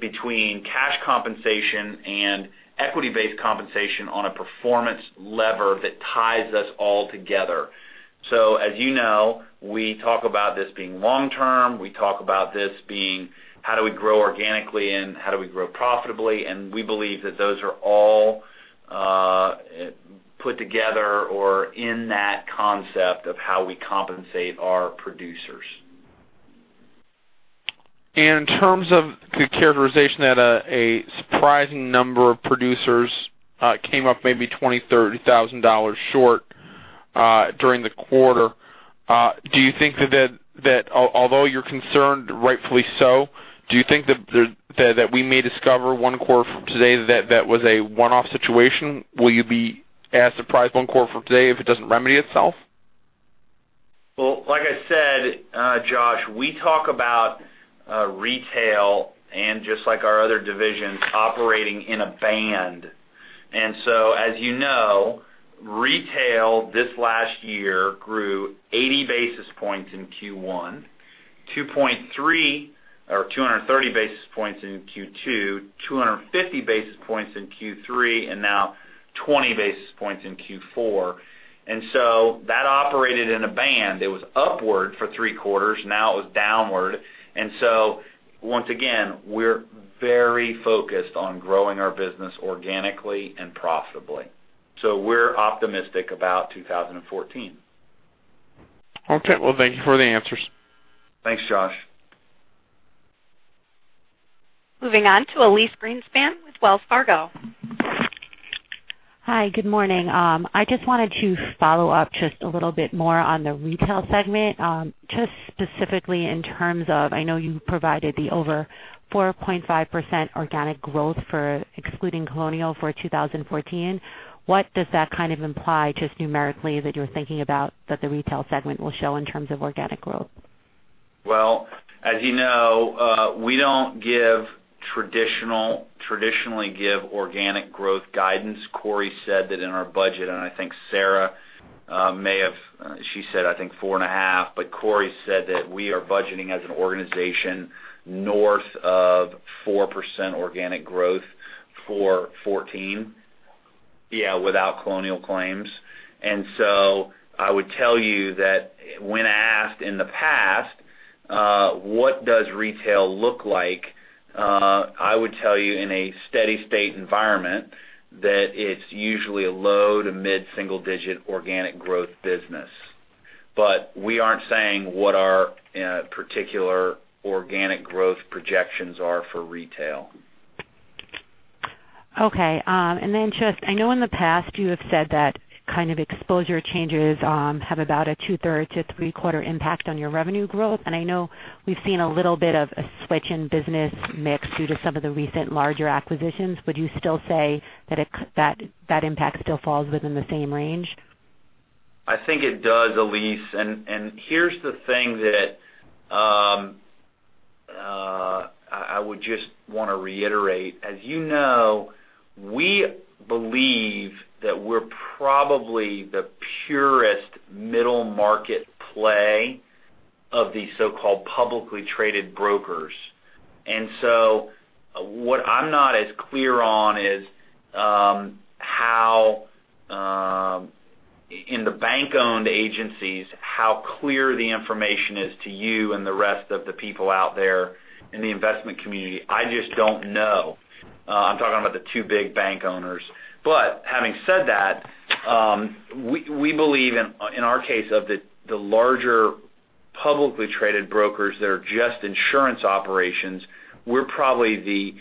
Speaker 2: between cash compensation and equity-based compensation on a performance lever that ties us all together. As you know, we talk about this being long-term. We talk about this being how do we grow organically and how do we grow profitably. We believe that those are all put together or in that concept of how we compensate our producers.
Speaker 8: In terms of the characterization that a surprising number of producers came up maybe $20,000, $30,000 short during the quarter, do you think that although you're concerned, rightfully so, do you think that we may discover one quarter from today that that was a one-off situation? Will you be as surprised one quarter from today if it doesn't remedy itself?
Speaker 2: Like I said, Josh, we talk about retail and just like our other divisions, operating in a band. As you know, retail this last year grew 80 basis points in Q1, 2.3 or 230 basis points in Q2, 250 basis points in Q3, and now 20 basis points in Q4. That operated in a band. It was upward for three quarters, now it was downward. Once again, we're very focused on growing our business organically and profitably. We're optimistic about 2014.
Speaker 8: Okay. Well, thank you for the answers.
Speaker 2: Thanks, Josh.
Speaker 1: Moving on to Elyse Greenspan with Wells Fargo.
Speaker 9: Hi. Good morning. I just wanted to follow up just a little bit more on the retail segment, just specifically in terms of, I know you provided the over 4.5% organic growth for excluding Colonial for 2014. What does that kind of imply, just numerically, that you're thinking about that the retail segment will show in terms of organic growth?
Speaker 2: Well, as you know, we don't traditionally give organic growth guidance. Cory said that in our budget, and I think Sarah may have, she said, I think four and a half, Cory said that we are budgeting as an organization north of 4% organic growth for 2014. Without Colonial Claims. I would tell you that when asked in the past, what does retail look like, I would tell you in a steady-state environment that it's usually a low to mid single-digit organic growth business. We aren't saying what our particular organic growth projections are for retail.
Speaker 9: Okay. Just, I know in the past you have said that kind of exposure changes have about a two-thirds to three-quarter impact on your revenue growth. I know we've seen a little bit of a switch in business mix due to some of the recent larger acquisitions. Would you still say that impact still falls within the same range?
Speaker 2: I think it does, Elyse. Here's the thing that I would just want to reiterate. As you know, we believe that we're probably the purest middle-market play of the so-called publicly traded brokers. What I'm not as clear on is, in the bank-owned agencies, how clear the information is to you and the rest of the people out there in the investment community, I just don't know. I'm talking about the two big bank owners. Having said that, we believe in our case of the larger publicly traded brokers that are just insurance operations, we're probably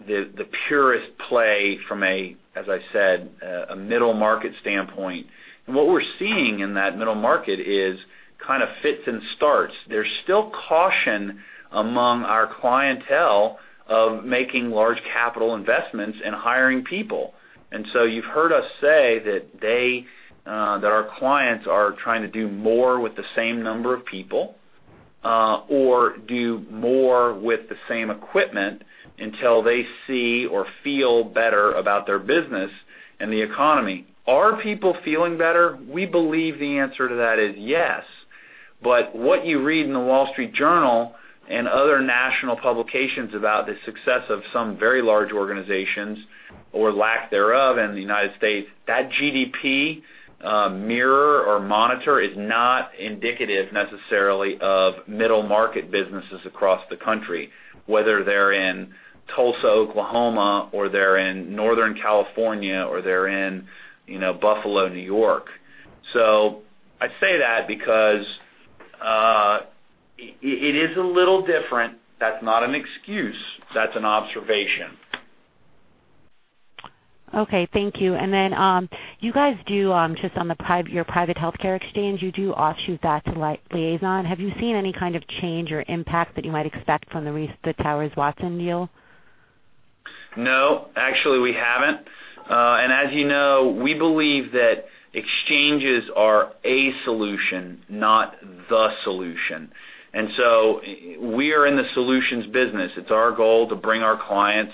Speaker 2: the purest play from, as I said, a middle-market standpoint. What we're seeing in that middle-market is kind of fits and starts. There's still caution among our clientele of making large capital investments and hiring people. You've heard us say that our clients are trying to do more with the same number of people, or do more with the same equipment until they see or feel better about their business and the economy. Are people feeling better? We believe the answer to that is yes. What you read in The Wall Street Journal and other national publications about the success of some very large organizations or lack thereof in the U.S., that GDP mirror or monitor is not indicative necessarily of middle-market businesses across the country, whether they're in Tulsa, Oklahoma, or they're in Northern California or they're in Buffalo, New York. I say that because it is a little different. That's not an excuse. That's an observation.
Speaker 9: Okay, thank you. You guys do, just on your private healthcare exchange, you do offshoot that to Liazon. Have you seen any kind of change or impact that you might expect from the Towers Watson deal?
Speaker 2: No, actually we haven't. As you know, we believe that exchanges are a solution, not the solution. We are in the solutions business. It's our goal to bring our clients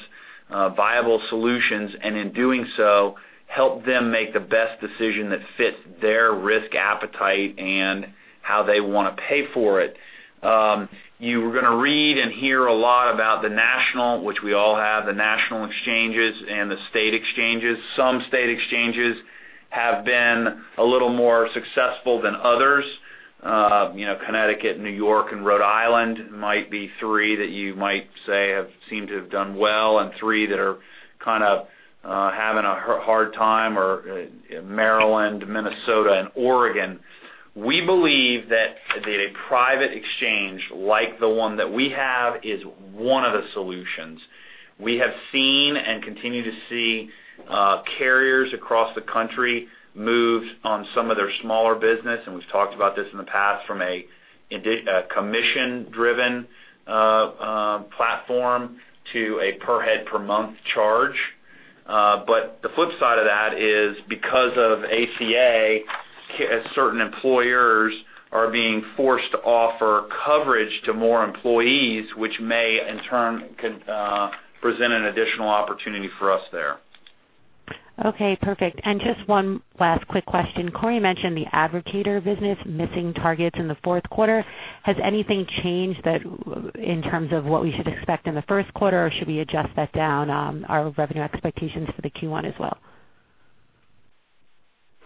Speaker 2: viable solutions, and in doing so, help them make the best decision that fits their risk appetite and how they want to pay for it. You are going to read and hear a lot about the national, which we all have, the national exchanges and the state exchanges. Some state exchanges have been a little more successful than others. Connecticut, New York and Rhode Island might be three that you might say seem to have done well, and three that are kind of having a hard time are Maryland, Minnesota and Oregon. We believe that a private exchange like the one that we have is one of the solutions. We have seen and continue to see carriers across the country move on some of their smaller business, and we've talked about this in the past, from a commission driven platform to a per head per month charge. The flip side of that is because of ACA, certain employers are being forced to offer coverage to more employees, which may in turn present an additional opportunity for us there.
Speaker 9: Okay, perfect. Just one last quick question. Corey mentioned the Advocator business missing targets in the fourth quarter. Has anything changed in terms of what we should expect in the first quarter, or should we adjust that down, our revenue expectations for the Q1 as well?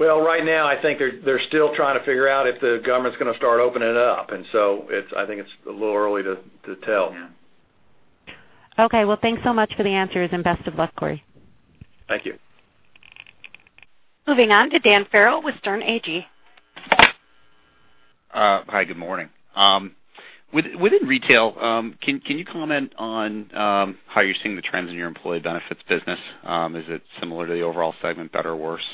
Speaker 2: Well, right now, I think they're still trying to figure out if the government's going to start opening it up. I think it's a little early to tell.
Speaker 9: Okay. Well, thanks so much for the answers and best of luck, Cory.
Speaker 2: Thank you.
Speaker 1: Moving on to Dan Farrell with Sterne Agee.
Speaker 10: Hi, good morning. Within retail, can you comment on how you're seeing the trends in your employee benefits business? Is it similar to the overall segment, better or worse?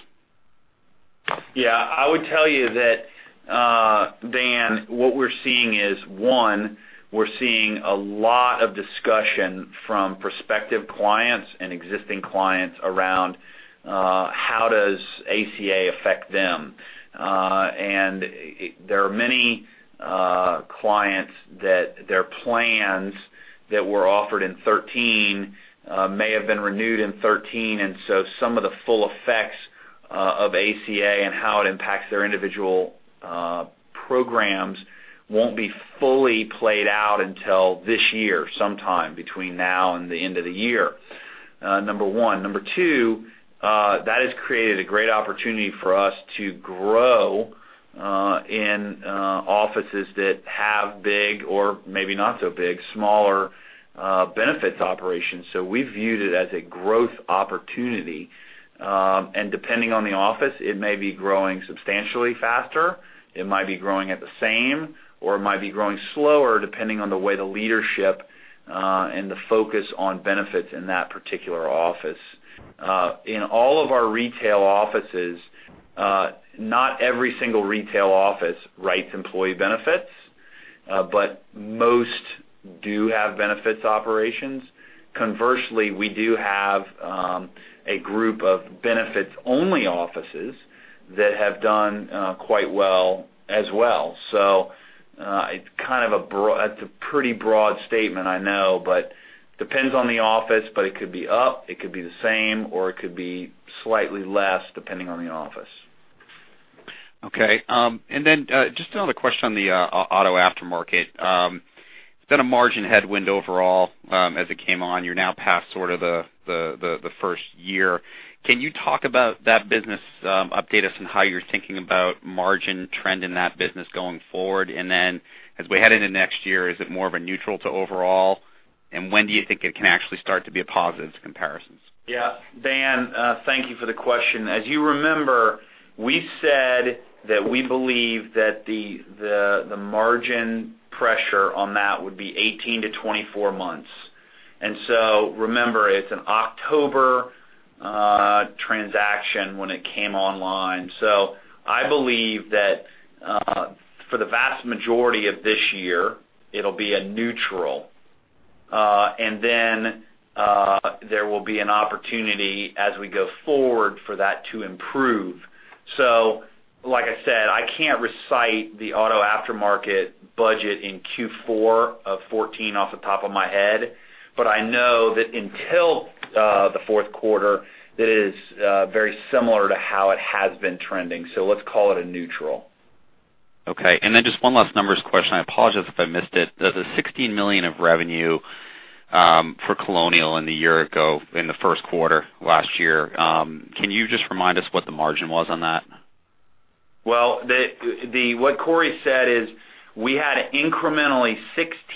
Speaker 2: Yeah. I would tell you that, Dan, what we're seeing is, one, we're seeing a lot of discussion from prospective clients and existing clients around how does ACA affect them. There are many clients that their plans that were offered in 2013 may have been renewed in 2013, and so some of the full effects of ACA and how it impacts their individual programs won't be fully played out until this year, sometime between now and the end of the year, number one. Number two, that has created a great opportunity for us to grow in offices that have big or maybe not so big, smaller benefits operations. We viewed it as a growth opportunity. Depending on the office, it may be growing substantially faster, it might be growing at the same, or it might be growing slower, depending on the way the leadership, and the focus on benefits in that particular office. In all of our retail offices, not every single retail office writes employee benefits, but most do have benefits operations. Conversely, we do have a group of benefits-only offices that have done quite well as well. It's a pretty broad statement, I know, but depends on the office, but it could be up, it could be the same, or it could be slightly less, depending on the office.
Speaker 10: Okay. Just another question on the auto aftermarket. It's been a margin headwind overall, as it came on. You're now past sort of the first year. Can you talk about that business, update us on how you're thinking about margin trend in that business going forward? As we head into next year, is it more of a neutral to overall, and when do you think it can actually start to be a positive to comparisons?
Speaker 2: Yeah. Dan, thank you for the question. As you remember, we said that we believe that the margin pressure on that would be 18-24 months. Remember, it's an October transaction when it came online. I believe that, for the vast majority of this year, it'll be a neutral. There will be an opportunity as we go forward for that to improve. Like I said, I can't recite the auto aftermarket budget in Q4 of 2014 off the top of my head, but I know that until the fourth quarter, that it is very similar to how it has been trending. Let's call it a neutral.
Speaker 10: Okay. Just one last numbers question, I apologize if I missed it. The $16 million of revenue for Colonial in the year ago, in the first quarter last year, can you just remind us what the margin was on that?
Speaker 2: Well, what Cory said is we had incrementally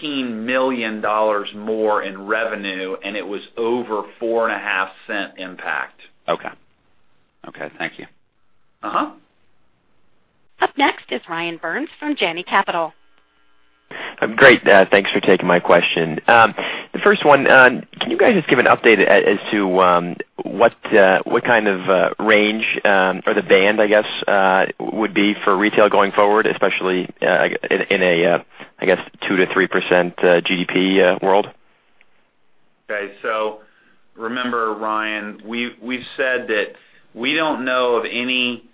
Speaker 2: $16 million more in revenue, and it was over $0.045 impact.
Speaker 10: Okay. Thank you.
Speaker 1: Up next is Ryan Burns from Janney Capital Markets.
Speaker 11: Great. Thanks for taking my question. The first one, can you guys just give an update as to what kind of range, or the band, I guess, would be for retail going forward, especially, in a, I guess 2%-3% GDP world?
Speaker 2: Okay. Remember, Ryan, we've said that we don't know of any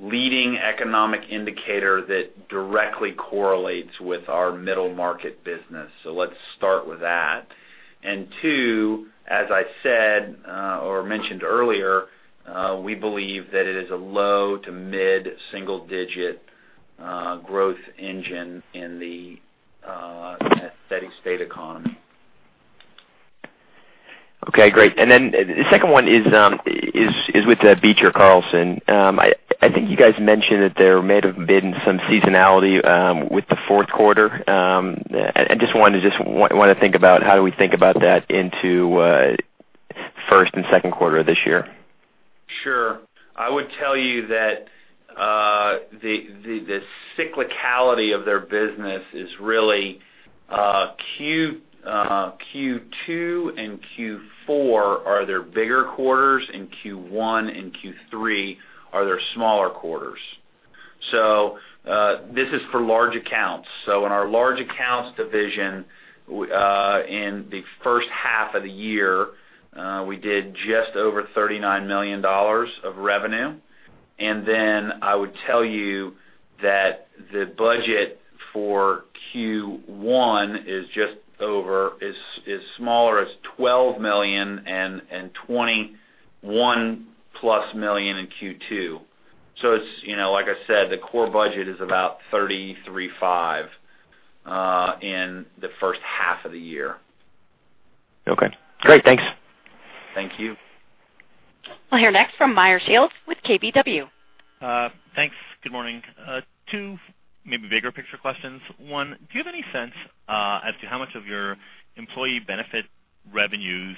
Speaker 2: leading economic indicator that directly correlates with our middle-market business. Let's start with that. Two, as I said, or mentioned earlier, we believe that it is a low to mid single digit growth engine in the steady state economy.
Speaker 11: Okay, great. The second one is with Beecher Carlson. I think you guys mentioned that there might have been some seasonality with the fourth quarter. I just want to think about how do we think about that into first and second quarter of this year?
Speaker 2: Sure. I would tell you that the cyclicality of their business is really Q2 and Q4 are their bigger quarters, and Q1 and Q3 are their smaller quarters. This is for large accounts. In our large accounts division, in the first half of the year, we did just over $39 million of revenue. I would tell you that the budget for Q1 is smaller, is $12 million and $21-plus million in Q2. It's like I said, the core budget is about $33.5 million in the first half of the year.
Speaker 11: Okay. Great. Thanks.
Speaker 2: Thank you.
Speaker 1: I'll hear next from Meyer Shields with KBW.
Speaker 12: Thanks. Good morning. Two maybe bigger picture questions. One, do you have any sense as to how much of your employee benefit revenues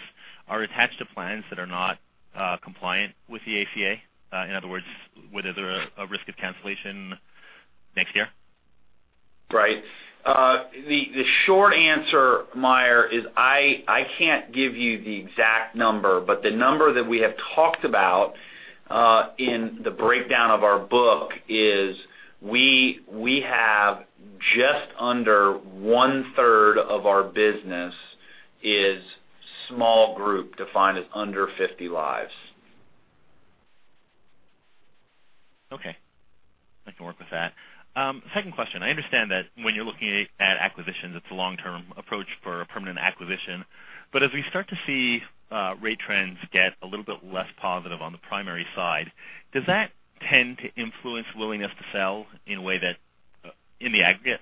Speaker 12: are attached to plans that are not compliant with the ACA? In other words, whether they're a risk of cancellation next year?
Speaker 2: Right. The short answer, Meyer, is I can't give you the exact number, but the number that we have talked about in the breakdown of our book is we have just under one-third of our business is small group defined as under 50 lives.
Speaker 12: Okay. I can work with that. Second question, I understand that when you're looking at acquisitions, it's a long-term approach for a permanent acquisition, as we start to see rate trends get a little bit less positive on the primary side, does that tend to influence willingness to sell in the aggregate?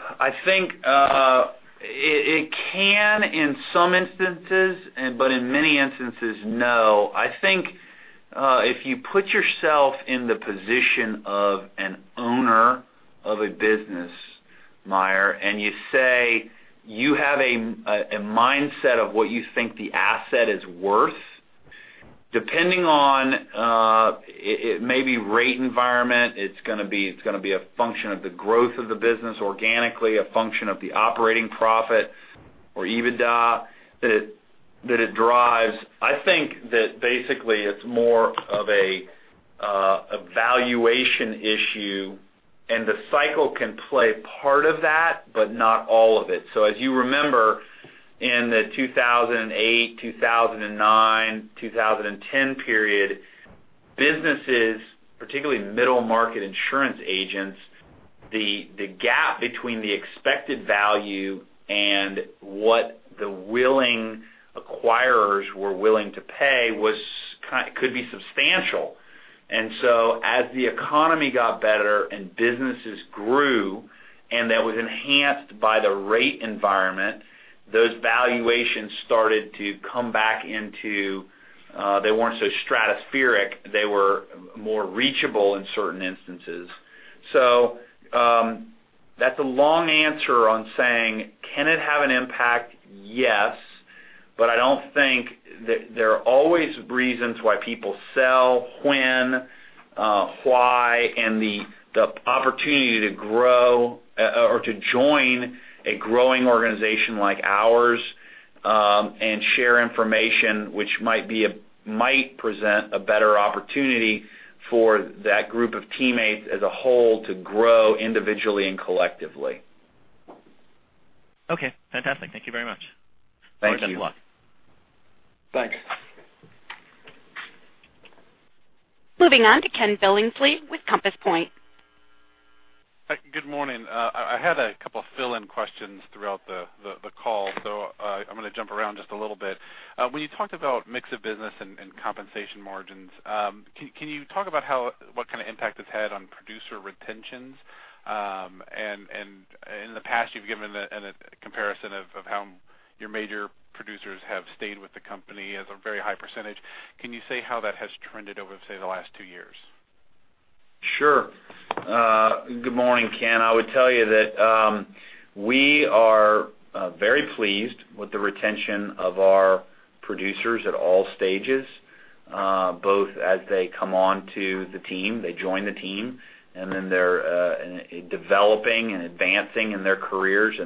Speaker 2: I think it can in some instances, but in many instances, no. I think if you put yourself in the position of an owner of a business, Meyer, and you say you have a mindset of what you think the asset is worth, depending on it may be rate environment, it's going to be a function of the growth of the business organically, a function of the operating profit or EBITDA that it drives. I think that basically it's more of a valuation issue, and the cycle can play part of that, but not all of it. As you remember in the 2008, 2009, 2010 period, businesses, particularly middle-market insurance agents, the gap between the expected value and what the willing acquirers were willing to pay could be substantial. As the economy got better and businesses grew, and that was enhanced by the rate environment, those valuations started to come back. They weren't so stratospheric. They were more reachable in certain instances. That's a long answer on saying, can it have an impact? Yes. I don't think that there are always reasons why people sell, when, why, and the opportunity to grow or to join a growing organization like ours, and share information which might present a better opportunity for that group of teammates as a whole to grow individually and collectively.
Speaker 12: Okay, fantastic. Thank you very much.
Speaker 2: Thank you.
Speaker 12: Best of luck.
Speaker 2: Thanks.
Speaker 1: Moving on to Ken Billingsley with Compass Point.
Speaker 13: Good morning. I had a couple of fill-in questions throughout the call, so I'm going to jump around just a little bit. When you talked about mix of business and compensation margins, can you talk about what kind of impact it's had on producer retentions? In the past, you've given a comparison of how your major producers have stayed with the company as a very high percentage. Can you say how that has trended over, say, the last two years?
Speaker 2: Sure. Good morning, Ken. I would tell you that we are very pleased with the retention of our producers at all stages, both as they come onto the team, they join the team, and then they're developing and advancing in their careers.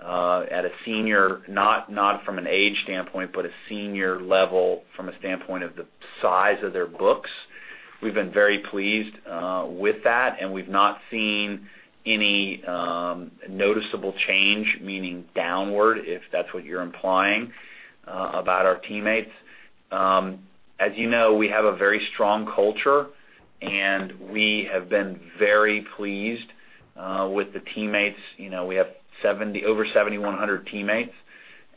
Speaker 2: At a senior, not from an age standpoint, but a senior level from a standpoint of the size of their books. We've been very pleased with that, and we've not seen any noticeable change, meaning downward, if that's what you're implying, about our teammates. As you know, we have a very strong culture, and we have been very pleased with the teammates. We have over 7,100 teammates,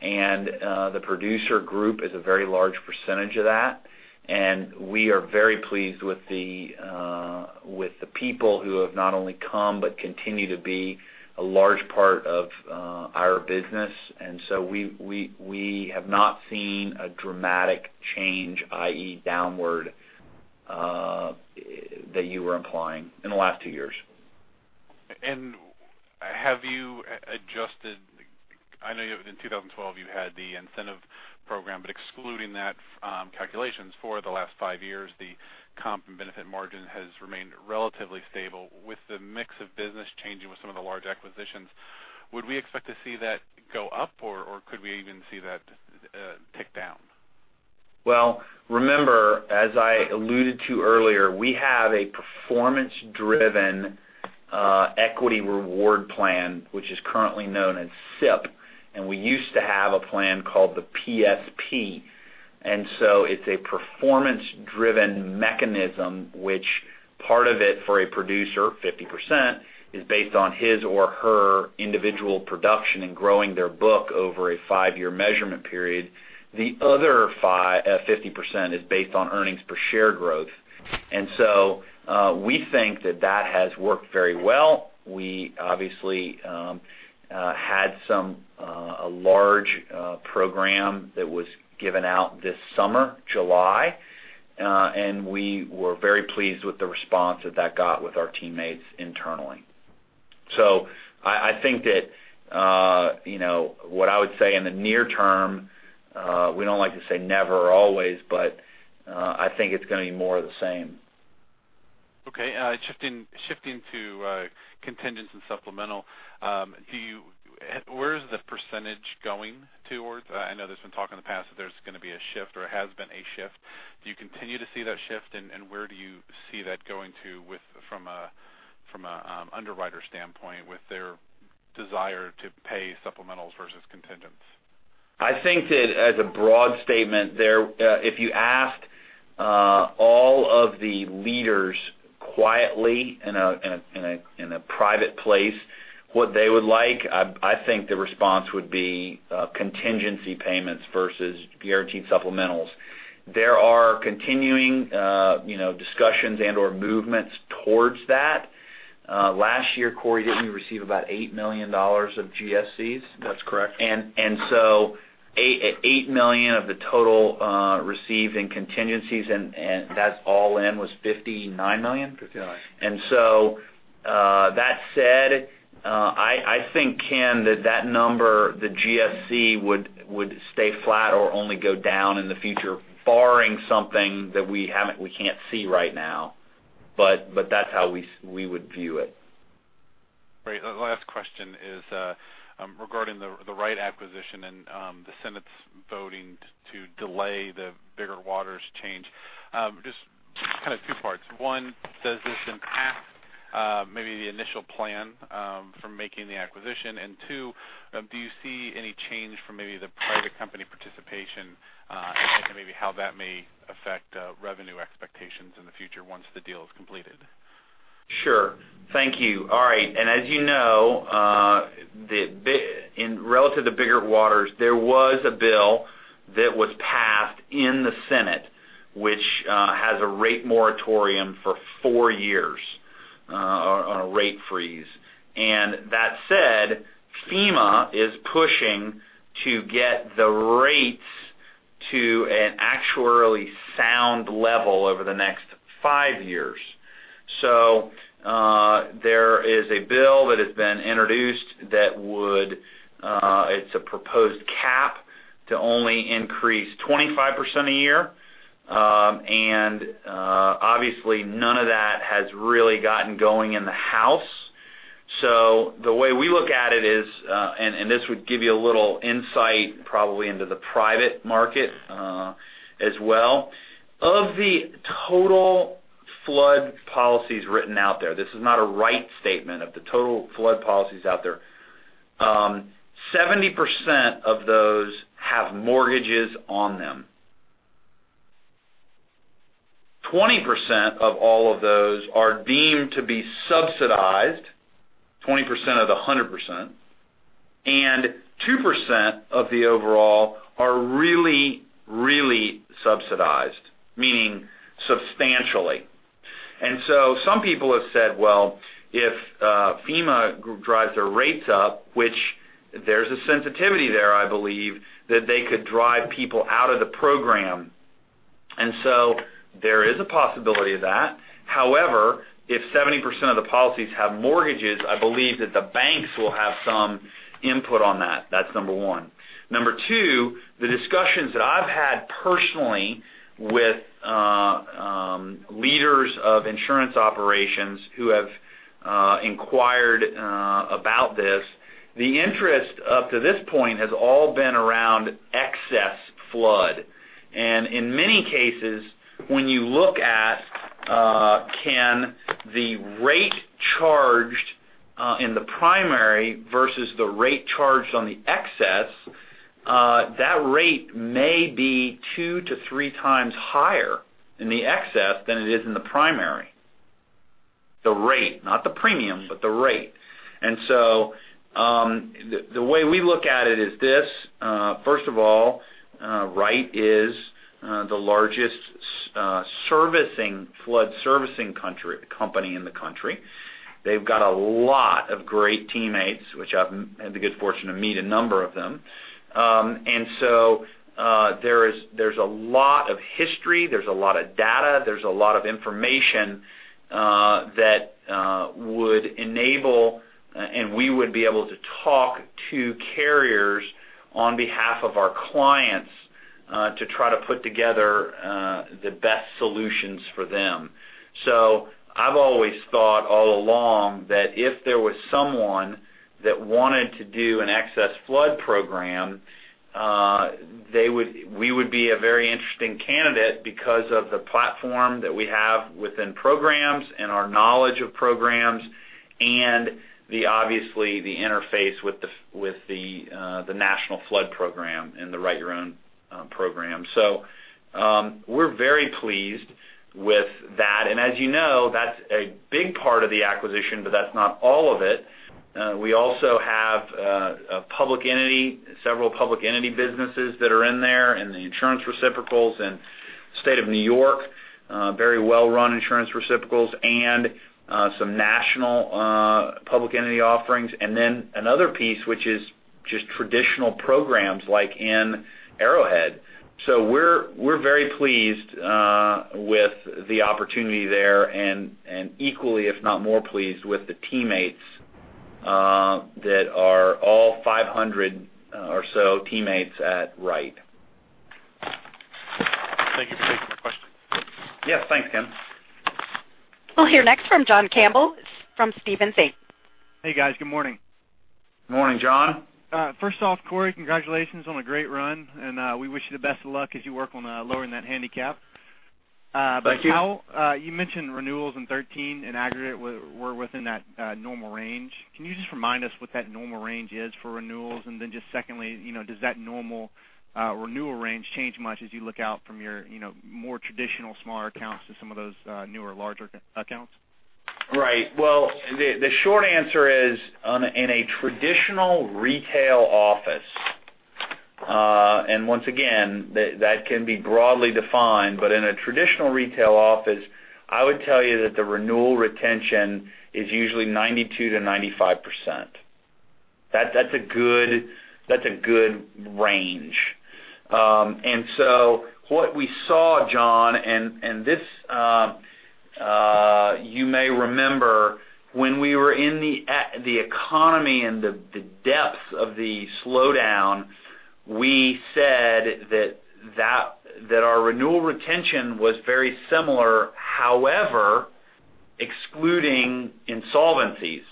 Speaker 2: and the producer group is a very large percentage of that. We are very pleased with the people who have not only come, but continue to be a large part of our business. We have not seen a dramatic change, i.e., downward, that you were implying in the last two years.
Speaker 13: I know in 2012 you had the incentive program, but excluding that, calculations for the last five years, the comp and benefit margin has remained relatively stable. With the mix of business changing with some of the large acquisitions, would we expect to see that go up, or could we even see that tick down?
Speaker 2: Well, remember, as I alluded to earlier, we have a performance driven equity reward plan, which is currently known as SIP, and we used to have a plan called the PSP. It's a performance driven mechanism, which part of it for a producer, 50%, is based on his or her individual production and growing their book over a five-year measurement period. The other 50% is based on earnings per share growth. We think that that has worked very well. We obviously had a large program that was given out this summer, July. We were very pleased with the response that that got with our teammates internally. I think that what I would say in the near term, we don't like to say never or always, but I think it's going to be more of the same.
Speaker 13: Okay. Shifting to contingents and supplemental, where is the percentage going towards? I know there's been talk in the past that there's going to be a shift or has been a shift. Do you continue to see that shift, and where do you see that going to from an underwriter standpoint with their desire to pay supplementals versus contingents?
Speaker 2: I think that as a broad statement there, if you asked all of the leaders quietly in a private place what they would like, I think the response would be contingency payments versus guaranteed supplementals. There are continuing discussions and/or movements towards that. Last year, Cory, didn't we receive about $8 million of GSCs?
Speaker 3: That's correct.
Speaker 2: 8 million of the total received in contingencies, and that all in was $59 million?
Speaker 3: Fifty-nine.
Speaker 2: That said, I think, Ken, that that number, the GSC, would stay flat or only go down in the future, barring something that we can't see right now. That's how we would view it.
Speaker 13: Great. Last question is regarding the Wright acquisition and the Senate's voting to delay the Biggert-Waters change. Just kind of two parts. One, does this impact maybe the initial plan for making the acquisition? Two, do you see any change from maybe the private company participation and maybe how that may affect revenue expectations in the future once the deal is completed?
Speaker 2: Sure. Thank you. All right. As you know, relative to Biggert-Waters, there was a bill that was passed in the Senate, which has a rate moratorium for 4 years on a rate freeze. That said, FEMA is pushing to get the rates to an actuarially sound level over the next 5 years. There is a bill that has been introduced that it's a proposed cap to only increase 25% a year. Obviously none of that has really gotten going in the House. The way we look at it is, this would give you a little insight probably into the private market as well. Of the total flood policies written out there, this is not a Wright statement, of the total flood policies out there, 70% of those have mortgages on them. 20% of all of those are deemed to be subsidized, 20% of the 100%, and 2% of the overall are really, really subsidized, meaning substantially. Some people have said, well, if FEMA drives their rates up, which there's a sensitivity there, I believe, that they could drive people out of the program. There is a possibility of that. However, if 70% of the policies have mortgages, I believe that the banks will have some input on that. That's number 1. Number 2, the discussions that I've had personally with leaders of insurance operations who have inquired about this, the interest up to this point has all been around excess flood. In many cases, when you look at can the rate charged in the primary versus the rate charged on the excess, that rate may be two to three times higher in the excess than it is in the primary. The rate, not the premium, but the rate. The way we look at it is this. First of all, Wright is the largest flood servicing company in the country. They've got a lot of great teammates, which I've had the good fortune to meet a number of them. There's a lot of history, there's a lot of data, there's a lot of information that would enable, and we would be able to talk to carriers on behalf of our clients to try to put together the best solutions for them. I've always thought all along that if there was someone that wanted to do an excess flood program, we would be a very interesting candidate because of the platform that we have within programs and our knowledge of programs, obviously, the interface with the National Flood Program and the Write-Your-Own program. We're very pleased with that. As you know, that's a big part of the acquisition, but that's not all of it. We also have several public entity businesses that are in there in the insurance reciprocals in the State of New York. Very well-run insurance reciprocals and some national public entity offerings. Then another piece, which is just traditional programs like in Arrowhead. We're very pleased with the opportunity there and equally, if not more pleased with the teammates that are all 500 or so teammates at Wright.
Speaker 13: Thank you for taking my question.
Speaker 2: Yes. Thanks, Ken.
Speaker 1: We'll hear next from John Campbell from Stephens Inc.
Speaker 14: Hey, guys. Good morning.
Speaker 2: Morning, John.
Speaker 14: First off, Cory, congratulations on a great run. We wish you the best of luck as you work on lowering that handicap.
Speaker 3: Thank you.
Speaker 14: You mentioned renewals in 2013 in aggregate were within that normal range. Can you just remind us what that normal range is for renewals? Just secondly, does that normal renewal range change much as you look out from your more traditional smaller accounts to some of those newer larger accounts?
Speaker 2: Well, the short answer is, in a traditional retail office. Once again, that can be broadly defined, but in a traditional retail office, I would tell you that the renewal retention is usually 92%-95%. That's a good range. What we saw, John, and this, you may remember when we were in the economy and the depth of the slowdown, we said that our renewal retention was very similar, however, excluding insolvencies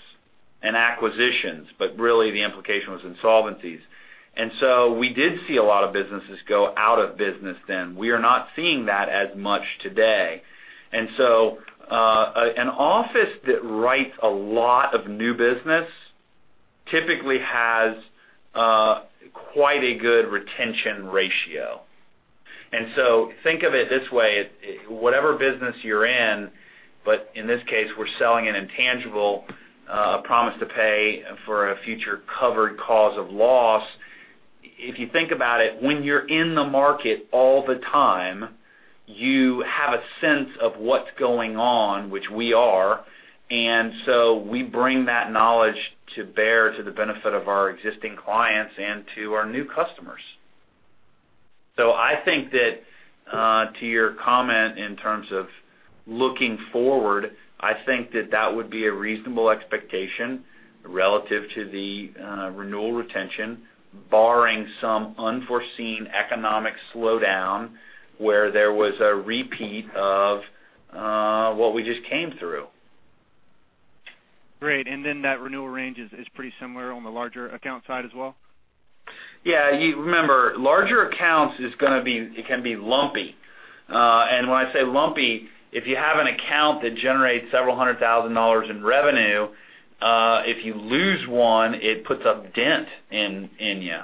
Speaker 2: and acquisitions, but really the implication was insolvencies. We did see a lot of businesses go out of business then. We are not seeing that as much today. An office that writes a lot of new business typically has quite a good retention ratio. Think of it this way, whatever business you're in, but in this case, we're selling an intangible promise to pay for a future covered cause of loss. If you think about it, when you're in the market all the time, you have a sense of what's going on, which we are. We bring that knowledge to bear to the benefit of our existing clients and to our new customers. I think that, to your comment in terms of looking forward, I think that that would be a reasonable expectation relative to the renewal retention, barring some unforeseen economic slowdown where there was a repeat of what we just came through.
Speaker 14: Great. That renewal range is pretty similar on the larger account side as well?
Speaker 2: Remember, larger accounts, it can be lumpy. When I say lumpy, if you have an account that generates several hundred thousand dollars in revenue, if you lose one, it puts a dent in you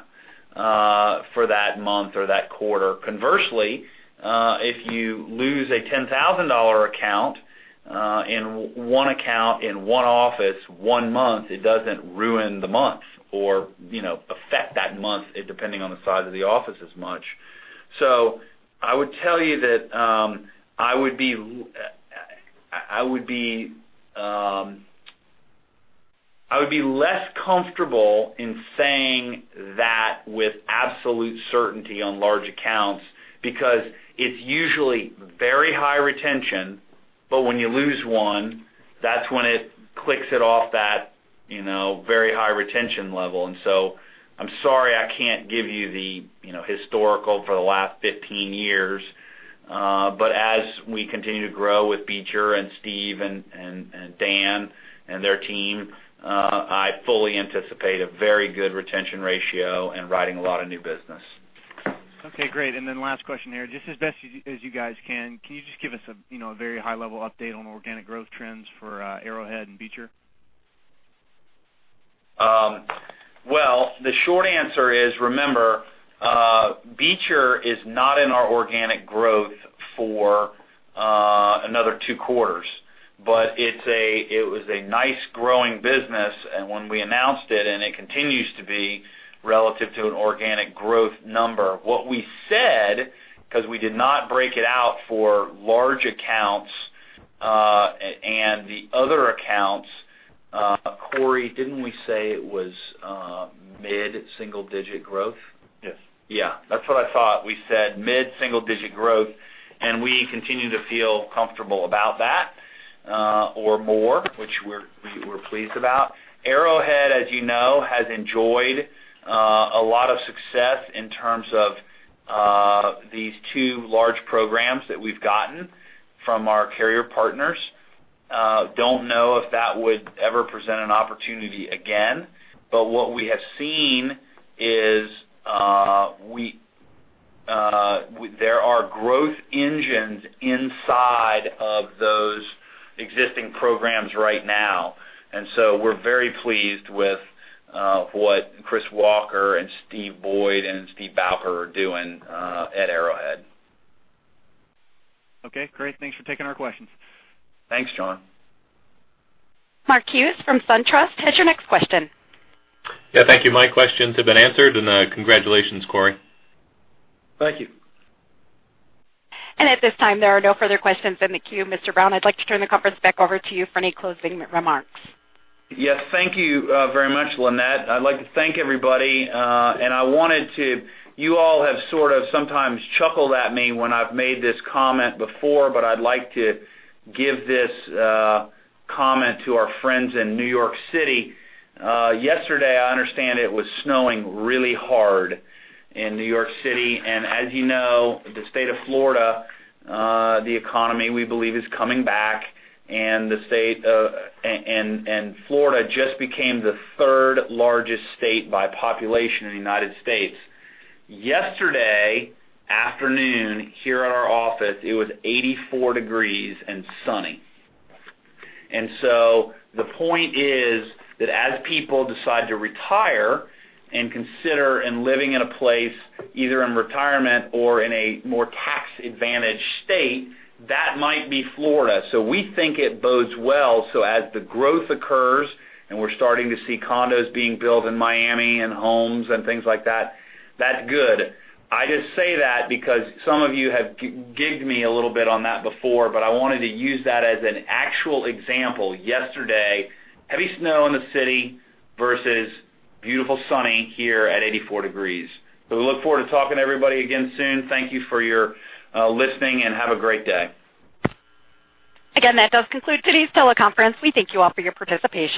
Speaker 2: for that month or that quarter. Conversely, if you lose a $10,000 account in one account, in one office, one month, it doesn't ruin the month or affect that month depending on the size of the office as much. I would tell you that I would be less comfortable in saying that with absolute certainty on large accounts, because it's usually very high retention, but when you lose one, that's when it clicks it off that very high retention level. I'm sorry I can't give you the historical for the last 15 years. As we continue to grow with Beecher and Steve and Dan and their team, I fully anticipate a very good retention ratio and writing a lot of new business.
Speaker 14: Okay, great. Then last question here. Just as best as you guys can you just give us a very high-level update on organic growth trends for Arrowhead and Beecher?
Speaker 2: Well, the short answer is, remember, Beecher is not in our organic growth for another two quarters, but it was a nice growing business. When we announced it, and it continues to be relative to an organic growth number. What we said, because we did not break it out for large accounts, and the other accounts, Corey, didn't we say it was mid-single digit growth?
Speaker 15: Yes.
Speaker 3: Yeah. That's what I thought. We said mid-single digit growth, and we continue to feel comfortable about that or more, which we're pleased about. Arrowhead, as you know, has enjoyed a lot of success in terms of these two large programs that we've gotten from our carrier partners. Don't know if that would ever present an opportunity again, but what we have seen is there are growth engines inside of those existing programs right now. So we're very pleased with what Chris Walker and Steve Boyd and Steve Bouker are doing at Arrowhead.
Speaker 14: Okay, great. Thanks for taking our questions.
Speaker 2: Thanks, John.
Speaker 1: Mark Hughes from SunTrust has your next question.
Speaker 16: Yeah, thank you. My questions have been answered, and congratulations, Corey.
Speaker 3: Thank you.
Speaker 1: At this time, there are no further questions in the queue. Mr. Brown, I'd like to turn the conference back over to you for any closing remarks.
Speaker 2: Yes, thank you very much, Lynette. I'd like to thank everybody, and I wanted to you all have sort of sometimes chuckled at me when I've made this comment before, but I'd like to give this comment to our friends in New York City. Yesterday, I understand it was snowing really hard in New York City. As you know, the state of Florida, the economy, we believe, is coming back, and Florida just became the third largest state by population in the United States. Yesterday afternoon, here at our office, it was 84 degrees and sunny. The point is that as people decide to retire and consider living in a place, either in retirement or in a more tax-advantaged state, that might be Florida. We think it bodes well. As the growth occurs and we're starting to see condos being built in Miami and homes and things like that's good. I just say that because some of you have gigged me a little bit on that before, but I wanted to use that as an actual example. Yesterday, heavy snow in the city versus beautiful sunny here at 84 degrees. We look forward to talking to everybody again soon. Thank you for your listening, and have a great day.
Speaker 1: Again, that does conclude today's teleconference. We thank you all for your participation.